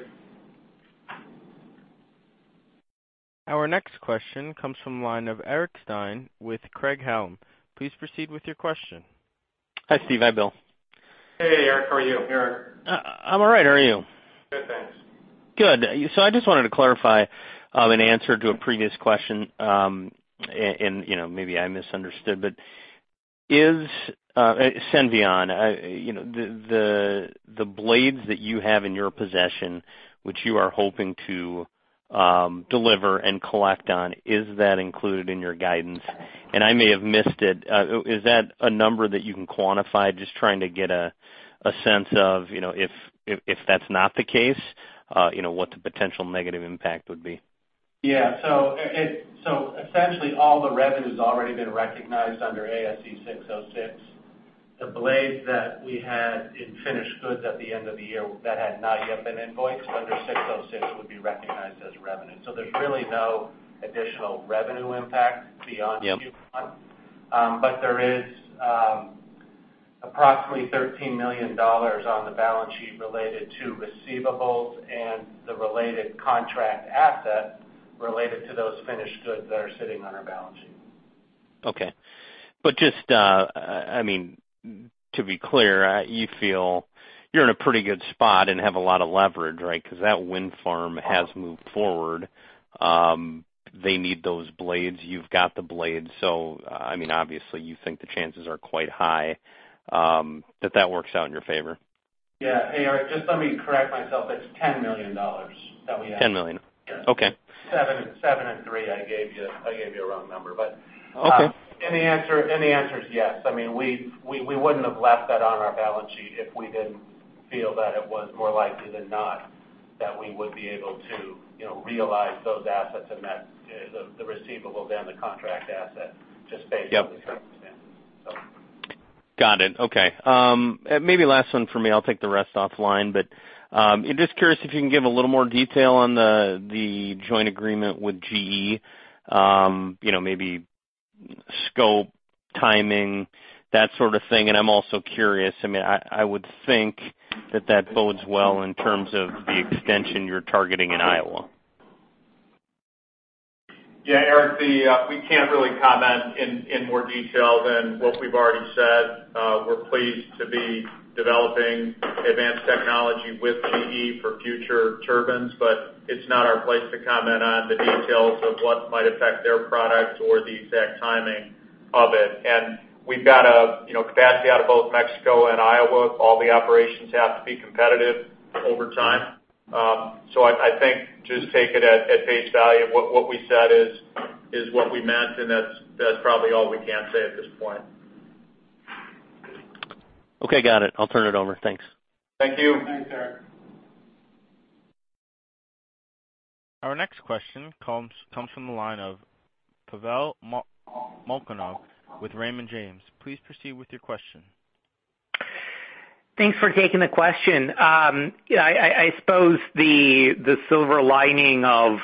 Our next question comes from the line of Eric Stine with Craig-Hallum. Please proceed with your question. Hi, Steve. Hi, Bill. Hey, Eric. How are you? Hey, Eric. I'm all right. How are you? Good. I just wanted to clarify an answer to a previous question. Maybe I misunderstood, but is Senvion, the blades that you have in your possession, which you are hoping to deliver and collect on, is that included in your guidance? I may have missed it, is that a number that you can quantify? Just trying to get a sense of, if that's not the case, what the potential negative impact would be. Yeah. Essentially all the revenue's already been recognized under ASC 606. The blades that we had in finished goods at the end of the year that had not yet been invoiced under 606 would be recognized as revenue. There's really no additional revenue impact beyond Q1. Yep. There is approximately $13 million on the balance sheet related to receivables and the related contract asset related to those finished goods that are sitting on our balance sheet. Okay. Just to be clear, you feel you're in a pretty good spot and have a lot of leverage, right? That wind farm has moved forward. They need those blades. You've got the blades. Obviously, you think the chances are quite high that that works out in your favor. Yeah. Hey, Eric, just let me correct myself. It's $10 million that we have. $10 million. Okay. Seven and three, I gave you the wrong number. Okay The answer is yes. We wouldn't have left that on our balance sheet if we didn't feel that it was more likely than not that we would be able to realize those assets and the receivable than the contract asset, just based on the circumstances. Got it. Okay. Maybe last one from me. I'll take the rest offline. Just curious if you can give a little more detail on the joint agreement with GE, maybe scope, timing, that sort of thing. I'm also curious, I would think that that bodes well in terms of the extension you're targeting in Iowa. Eric, we can't really comment in more detail than what we've already said. We're pleased to be developing advanced technology with GE for future turbines, but it's not our place to comment on the details of what might affect their products or the exact timing of it. We've got a capacity out of both Mexico and Iowa. All the operations have to be competitive over time. I think just take it at face value. What we said is what we meant, and that's probably all we can say at this point. Okay, got it. I'll turn it over. Thanks. Thank you. Thanks, Eric. Our next question comes from the line of Pavel Molchanov with Raymond James. Please proceed with your question. Thanks for taking the question. I suppose the silver lining of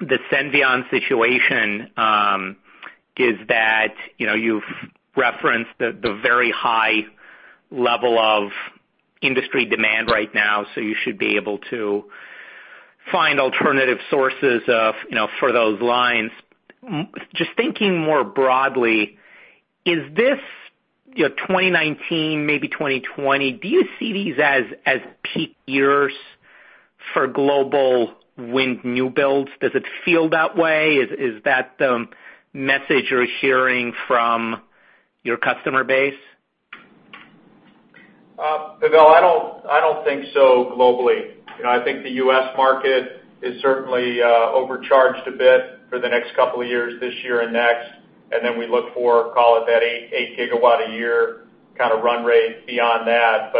the Senvion situation, is that you've referenced the very high level of industry demand right now, so you should be able to find alternative sources for those lines. Just thinking more broadly, is this 2019, maybe 2020, do you see these as peak years for global wind new builds? Does it feel that way? Is that the message you're hearing from your customer base? Pavel, I don't think so globally. I think the U.S. market is certainly overcharged a bit for the next couple of years, this year and next, and then we look for, call it that 8 gigawatt a year kind of run rate beyond that.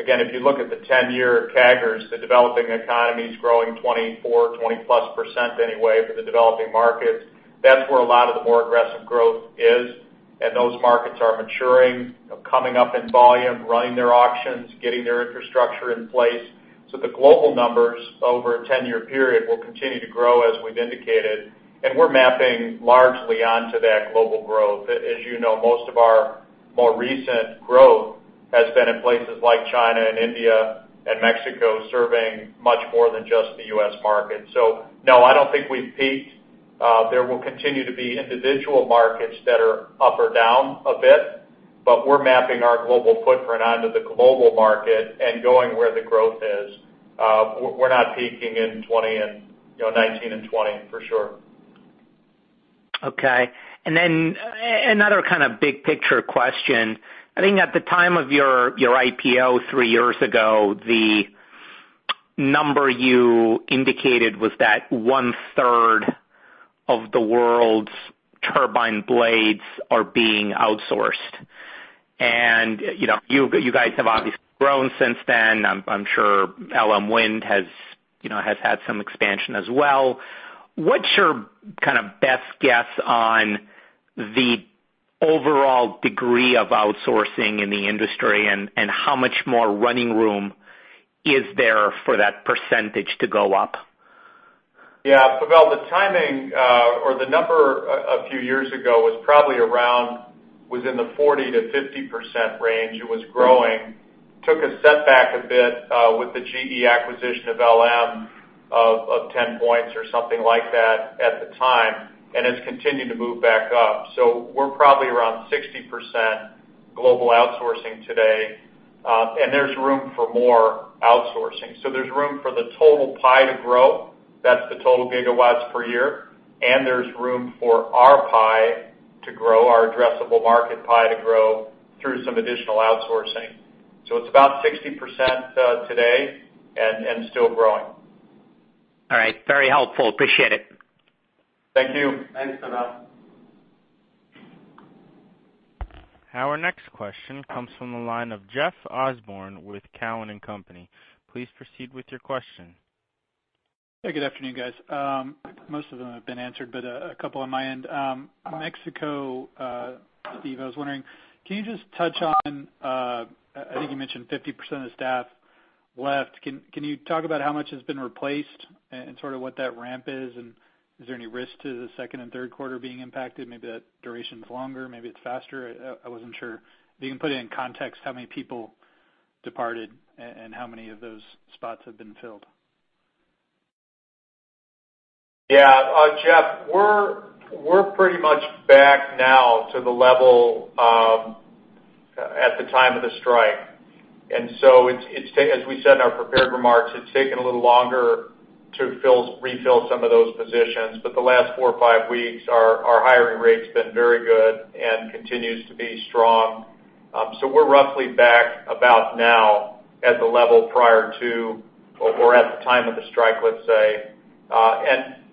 Again, if you look at the 10-year CAGRs, the developing economies growing 24%, 20% plus anyway for the developing markets. That's where a lot of the more aggressive growth is, and those markets are maturing, coming up in volume, running their auctions, getting their infrastructure in place. The global numbers over a 10-year period will continue to grow as we've indicated, and we're mapping largely onto that global growth. As you know, most of our more recent growth has been in places like China and India and Mexico, serving much more than just the U.S. market. No, I don't think we've peaked. There will continue to be individual markets that are up or down a bit, we're mapping our global footprint onto the global market and going where the growth is. We're not peaking in 2019 and 2020, for sure. Okay. Another kind of big picture question. I think at the time of your IPO 3 years ago, the number you indicated was that one third of the world's turbine blades are being outsourced. You guys have obviously grown since then. I'm sure LM Wind has had some expansion as well. What's your kind of best guess on the overall degree of outsourcing in the industry and how much more running room is there for that percentage to go up? Pavel, the timing or the number a few years ago was probably around within the 40%-50% range. It was growing. Took a setback a bit with the GE acquisition of LM.Of 10 points or something like that at the time, and it's continuing to move back up. We're probably around 60% global outsourcing today, and there's room for more outsourcing. There's room for the total pie to grow, that's the total gigawatts per year, and there's room for our pie to grow, our addressable market pie to grow through some additional outsourcing. It's about 60% today and still growing. Very helpful. Appreciate it. Thank you. Thanks, Pavel. Our next question comes from the line of Jeff Osborne with Cowen and Company. Please proceed with your question. Hey, good afternoon, guys. Most of them have been answered, but a couple on my end. Mexico, Steve, I was wondering, can you just touch on, I think you mentioned 50% of the staff left. Can you talk about how much has been replaced and sort of what that ramp is? Is there any risk to the second and third quarter being impacted? Maybe that duration's longer, maybe it's faster. I wasn't sure. If you can put it in context, how many people departed and how many of those spots have been filled? Yeah. Jeff, we're pretty much back now to the level of at the time of the strike. As we said in our prepared remarks, it's taken a little longer to refill some of those positions. The last four or five weeks, our hiring rate's been very good and continues to be strong. We're roughly back about now at the level prior to or at the time of the strike, let's say.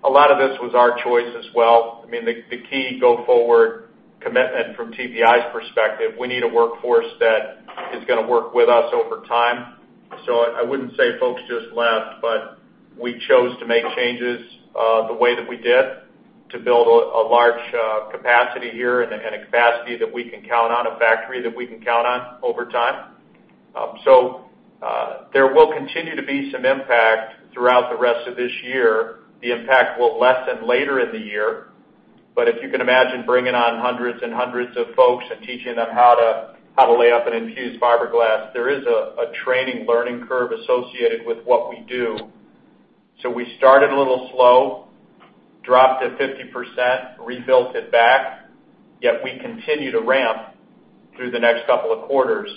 A lot of this was our choice as well. I mean, the key go forward commitment from TPI's perspective, we need a workforce that is going to work with us over time. I wouldn't say folks just left, but we chose to make changes, the way that we did to build a large capacity here and a capacity that we can count on, a factory that we can count on over time. There will continue to be some impact throughout the rest of this year. The impact will lessen later in the year. If you can imagine bringing on hundreds and hundreds of folks and teaching them how to lay up and infuse fiberglass, there is a training learning curve associated with what we do. We started a little slow, dropped to 50%, rebuilt it back, yet we continue to ramp through the next couple of quarters.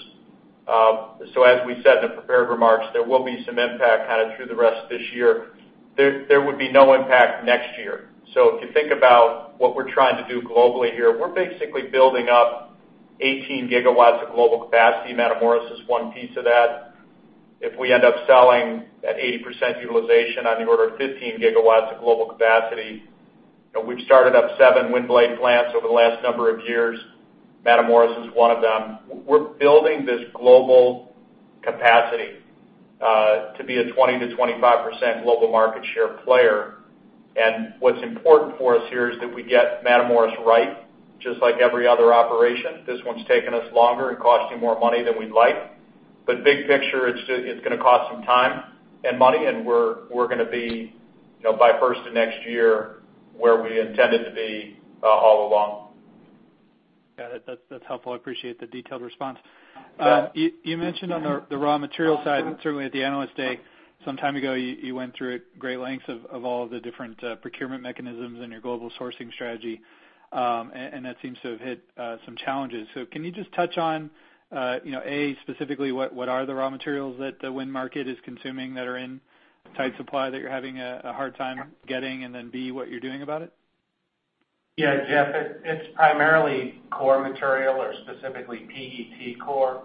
As we said in the prepared remarks, there will be some impact kind of through the rest of this year. There would be no impact next year. If you think about what we're trying to do globally here, we're basically building up 18 GW of global capacity. Matamoros is one piece of that. If we end up selling at 80% utilization on the order of 15 GW of global capacity, we've started up seven wind blade plants over the last number of years. Matamoros is one of them. We're building this global capacity, to be a 20%-25% global market share player. What's important for us here is that we get Matamoros right, just like every other operation. This one's taken us longer and costing more money than we'd like. Big picture, it's going to cost some time and money, and we're going to be by first of next year where we intended to be all along. Got it. That's helpful. I appreciate the detailed response. You mentioned on the raw material side, certainly at the Analyst Day some time ago, you went through great lengths of all the different procurement mechanisms and your global sourcing strategy, and that seems to have hit some challenges. Can you just touch on, A, specifically, what are the raw materials that the wind market is consuming that are in tight supply that you're having a hard time getting, and then, B, what you're doing about it? Yeah, Jeff, it's primarily core material or specifically PET core.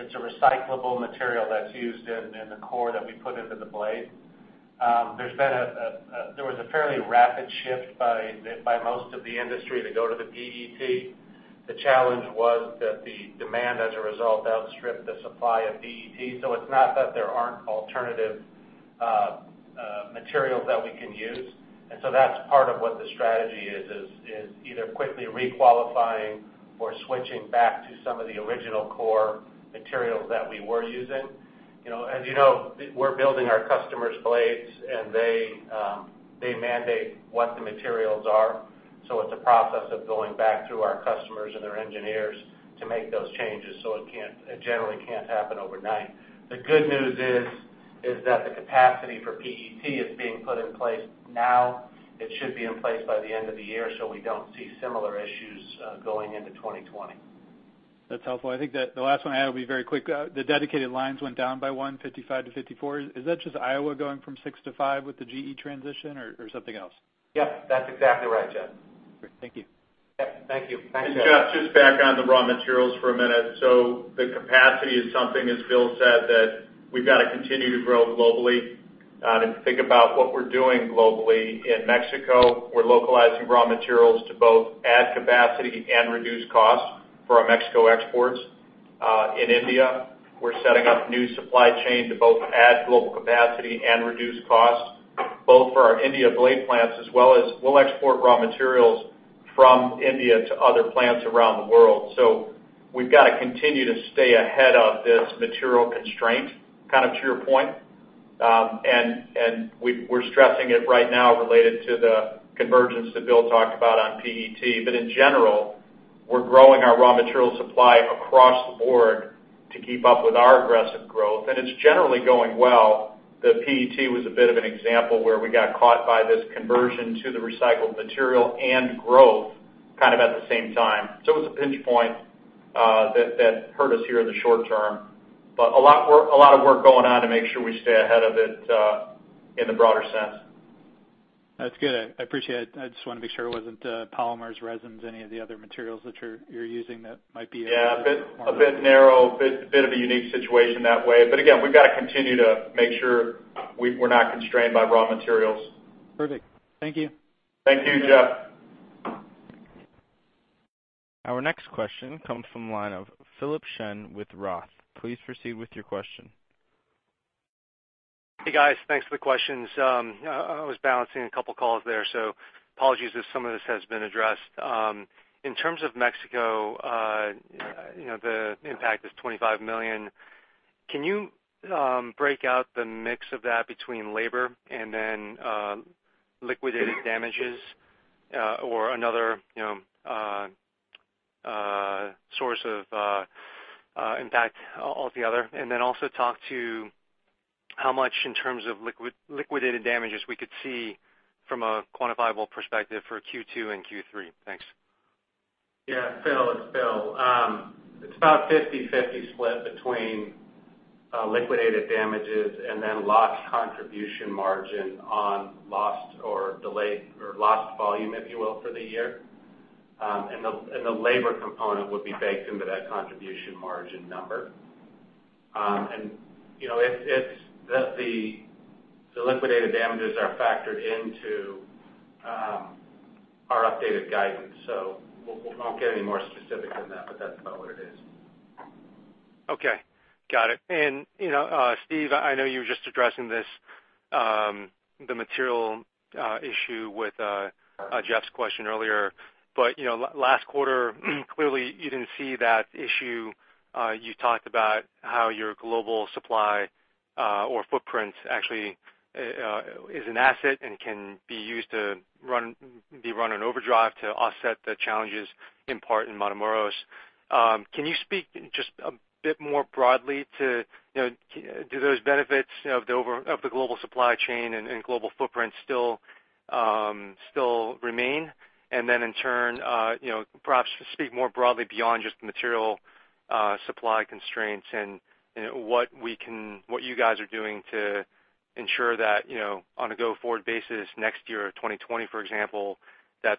It's a recyclable material that's used in the core that we put into the blade. There was a fairly rapid shift by most of the industry to go to the PET. The challenge was that the demand, as a result, outstripped the supply of PET. It's not that there aren't alternative materials that we can use. That's part of what the strategy is, either quickly requalifying or switching back to some of the original core materials that we were using. As you know, we're building our customers' blades, and they mandate what the materials are. It's a process of going back to our customers and their engineers to make those changes. It generally can't happen overnight. The good news is that the capacity for PET is being put in place now. It should be in place by the end of the year. We don't see similar issues going into 2020. That's helpful. I think that the last one I have will be very quick. The dedicated lines went down by one, 55 to 54. Is that just Iowa going from six to five with the GE transition or something else? Yep, that's exactly right, Jeff. Great. Thank you. Yep, thank you. Thanks, Jeff. Jeff, just back on the raw materials for a minute. The capacity is something, as Bill said, that we've got to continue to grow globally. If you think about what we're doing globally in Mexico, we're localizing raw materials to both add capacity and reduce costs for our Mexico exports. In India, we're setting up new supply chain to both add global capacity and reduce costs, both for our India blade plants as well as we'll export raw materials from India to other plants around the world. We've got to continue to stay ahead of this material constraint, kind of to your point. We're stressing it right now related to the convergence that Bill talked about on PET. We're growing our raw material supply across the board to keep up with our aggressive growth, and it's generally going well. The PET was a bit of an example where we got caught by this conversion to the recycled material and growth kind of at the same time. It's a pinch point that hurt us here in the short term. A lot of work going on to make sure we stay ahead of it in the broader sense. That's good. I appreciate it. I just want to make sure it wasn't polymers, resins, any of the other materials that you're using that might be. Yeah. A bit narrow, a bit of a unique situation that way. Again, we've got to continue to make sure we're not constrained by raw materials. Perfect. Thank you. Thank you, Jeff. Our next question comes from the line of Philip Shen with Roth. Please proceed with your question. Hey, guys. Thanks for the questions. I was balancing a couple calls there, so apologies if some of this has been addressed. In terms of Mexico, the impact is $25 million. Can you break out the mix of that between labor and then liquidated damages or another source of impact altogether? Also talk to how much in terms of liquidated damages we could see from a quantifiable perspective for Q2 and Q3. Thanks. Yeah, Phil, it's Bill. It's about 50/50 split between liquidated damages and then lost contribution margin on lost volume, if you will, for the year. The labor component would be baked into that contribution margin number. The liquidated damages are factored into our updated guidance. We won't get any more specific than that, but that's about what it is. Okay. Got it. Steve, I know you were just addressing this, the material issue with Jeff's question earlier. Last quarter, clearly you didn't see that issue. You talked about how your global supply or footprint actually is an asset and can be run on overdrive to offset the challenges in part in Matamoros. Can you speak just a bit more broadly to do those benefits of the global supply chain and global footprint still remain? In turn perhaps speak more broadly beyond just material supply constraints and what you guys are doing to ensure that on a go-forward basis next year, 2020, for example, that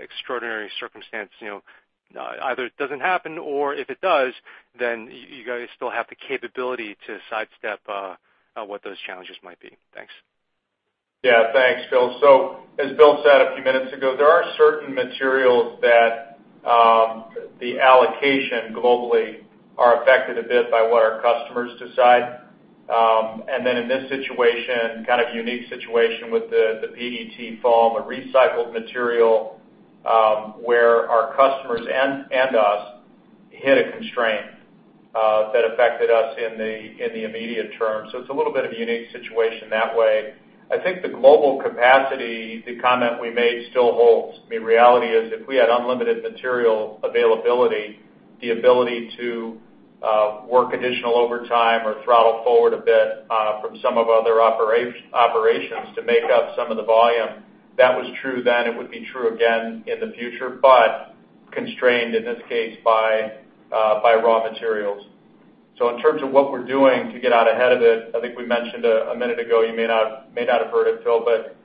extraordinary circumstance either doesn't happen or if it does, then you guys still have the capability to sidestep what those challenges might be. Thanks. Yeah, thanks, Phil. As Bill said a few minutes ago, there are certain materials that the allocation globally are affected a bit by what our customers decide. In this situation, kind of unique situation with the PET foam, a recycled material, where our customers and us hit a constraint that affected us in the immediate term. It's a little bit of a unique situation that way. I think the global capacity, the comment we made still holds. The reality is if we had unlimited material availability, the ability to work additional overtime or throttle forward a bit from some of other operations to make up some of the volume. That was true then, it would be true again in the future, but constrained, in this case, by raw materials. In terms of what we're doing to get out ahead of it, I think we mentioned a minute ago, you may not have heard it, Phil, but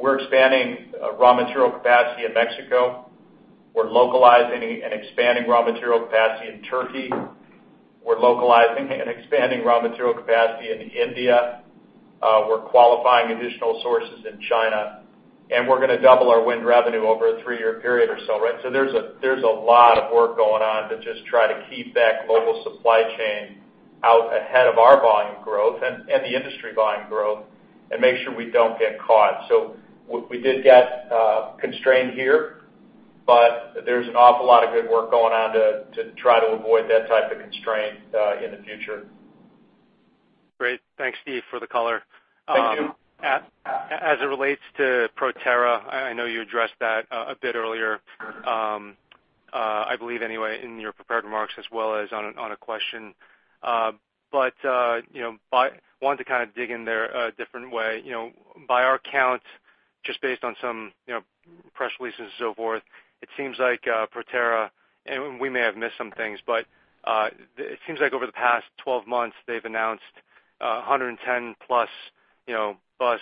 we're expanding raw material capacity in Mexico. We're localizing and expanding raw material capacity in Turkey. We're localizing and expanding raw material capacity in India. We're qualifying additional sources in China, and we're going to double our wind revenue over a three-year period or so, right? There's a lot of work going on to just try to keep that global supply chain out ahead of our volume growth and the industry volume growth and make sure we don't get caught. We did get constrained here, but there's an awful lot of good work going on to try to avoid that type of constraint in the future. Great. Thanks, Steve, for the color. Thank you. As it relates to Proterra, I know you addressed that a bit earlier, I believe anyway, in your prepared remarks as well as on a question. Wanted to kind of dig in there a different way. By our count, just based on some press releases and so forth, it seems like Proterra, and we may have missed some things, but it seems like over the past 12 months, they've announced 110 plus bus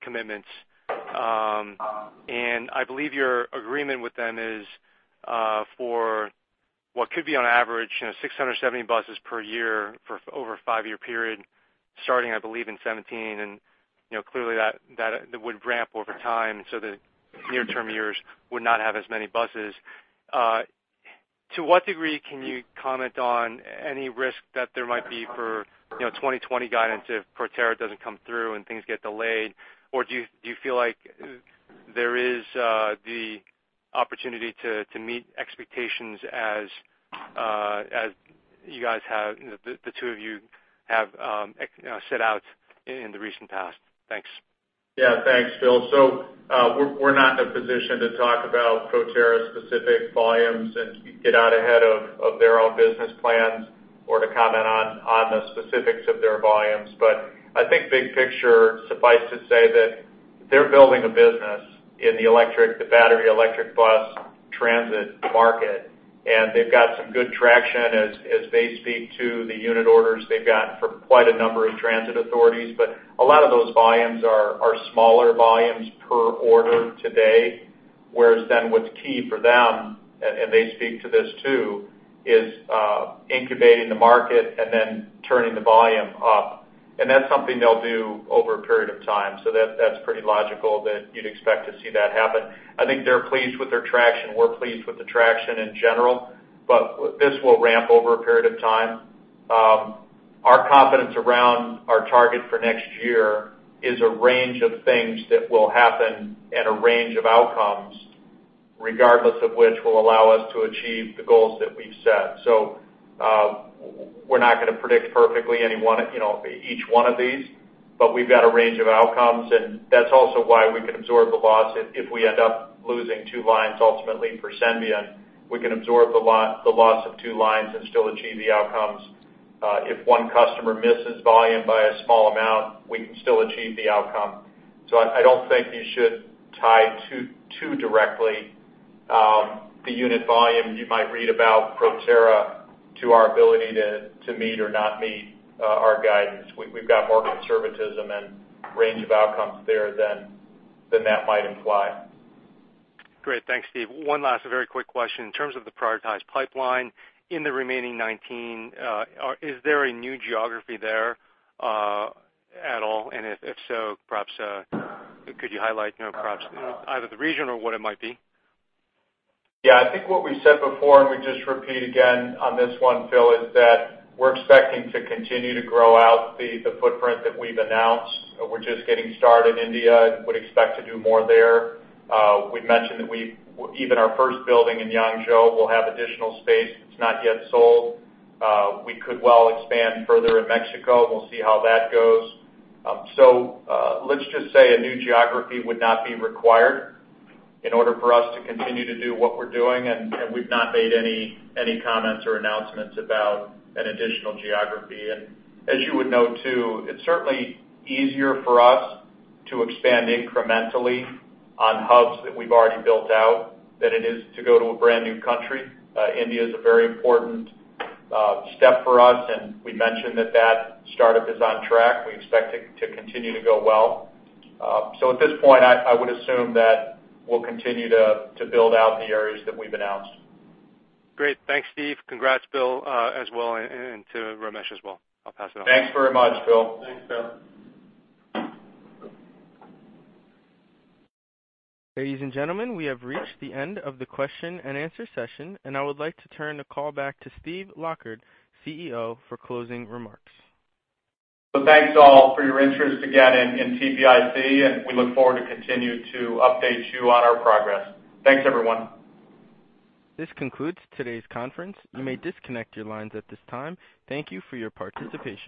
commitments. I believe your agreement with them is for what could be on average 670 buses per year for over a five-year period, starting, I believe, in 2017. Clearly that would ramp over time so the near-term years would not have as many buses. To what degree can you comment on any risk that there might be for 2020 guidance if Proterra doesn't come through and things get delayed? Do you feel like there is the opportunity to meet expectations as the two of you have set out in the recent past. Thanks. Yeah, thanks, Phil. We're not in a position to talk about Proterra's specific volumes and get out ahead of their own business plans, or to comment on the specifics of their volumes. I think big picture, suffice to say that they're building a business in the battery electric bus transit market, and they've got some good traction as they speak to the unit orders they've got for quite a number of transit authorities. A lot of those volumes are smaller volumes per order today, whereas then what's key for them, and they speak to this too, is incubating the market and then turning the volume up. That's something they'll do over a period of time. That's pretty logical that you'd expect to see that happen. I think they're pleased with their traction. We're pleased with the traction in general, this will ramp over a period of time. Our confidence around our target for next year is a range of things that will happen and a range of outcomes, regardless of which will allow us to achieve the goals that we've set. We're not going to predict perfectly any one, each one of these, but we've got a range of outcomes, and that's also why we can absorb the loss if we end up losing two lines ultimately for Senvion. We can absorb the loss of two lines and still achieve the outcomes. If one customer misses volume by a small amount, we can still achieve the outcome. I don't think you should tie too directly, the unit volume you might read about Proterra to our ability to meet or not meet our guidance. We've got more conservatism and range of outcomes there than that might imply. Great. Thanks, Steve. One last very quick question. In terms of the prioritized pipeline in the remaining 19, is there a new geography there, at all? If so, perhaps could you highlight, perhaps either the region or what it might be? Yeah, I think what we said before, we just repeat again on this one, Phil, is that we're expecting to continue to grow out the footprint that we've announced. We're just getting started India and would expect to do more there. We'd mentioned that even our first building in Yangzhou will have additional space that's not yet sold. We could well expand further in Mexico. We'll see how that goes. Let's just say a new geography would not be required in order for us to continue to do what we're doing, we've not made any comments or announcements about an additional geography. As you would know too, it's certainly easier for us to expand incrementally on hubs that we've already built out than it is to go to a brand new country. India is a very important step for us, we mentioned that that startup is on track. We expect it to continue to go well. At this point, I would assume that we'll continue to build out the areas that we've announced. Great. Thanks, Steve. Congrats, Bill, as well, to Ramesh as well. I'll pass it on. Thanks very much, Phil. Thanks, Phil. Ladies and gentlemen, we have reached the end of the question and answer session, and I would like to turn the call back to Steve Lockard, CEO, for closing remarks. Thanks all for your interest again in TPIC, and we look forward to continue to update you on our progress. Thanks, everyone. This concludes today's conference. You may disconnect your lines at this time. Thank you for your participation.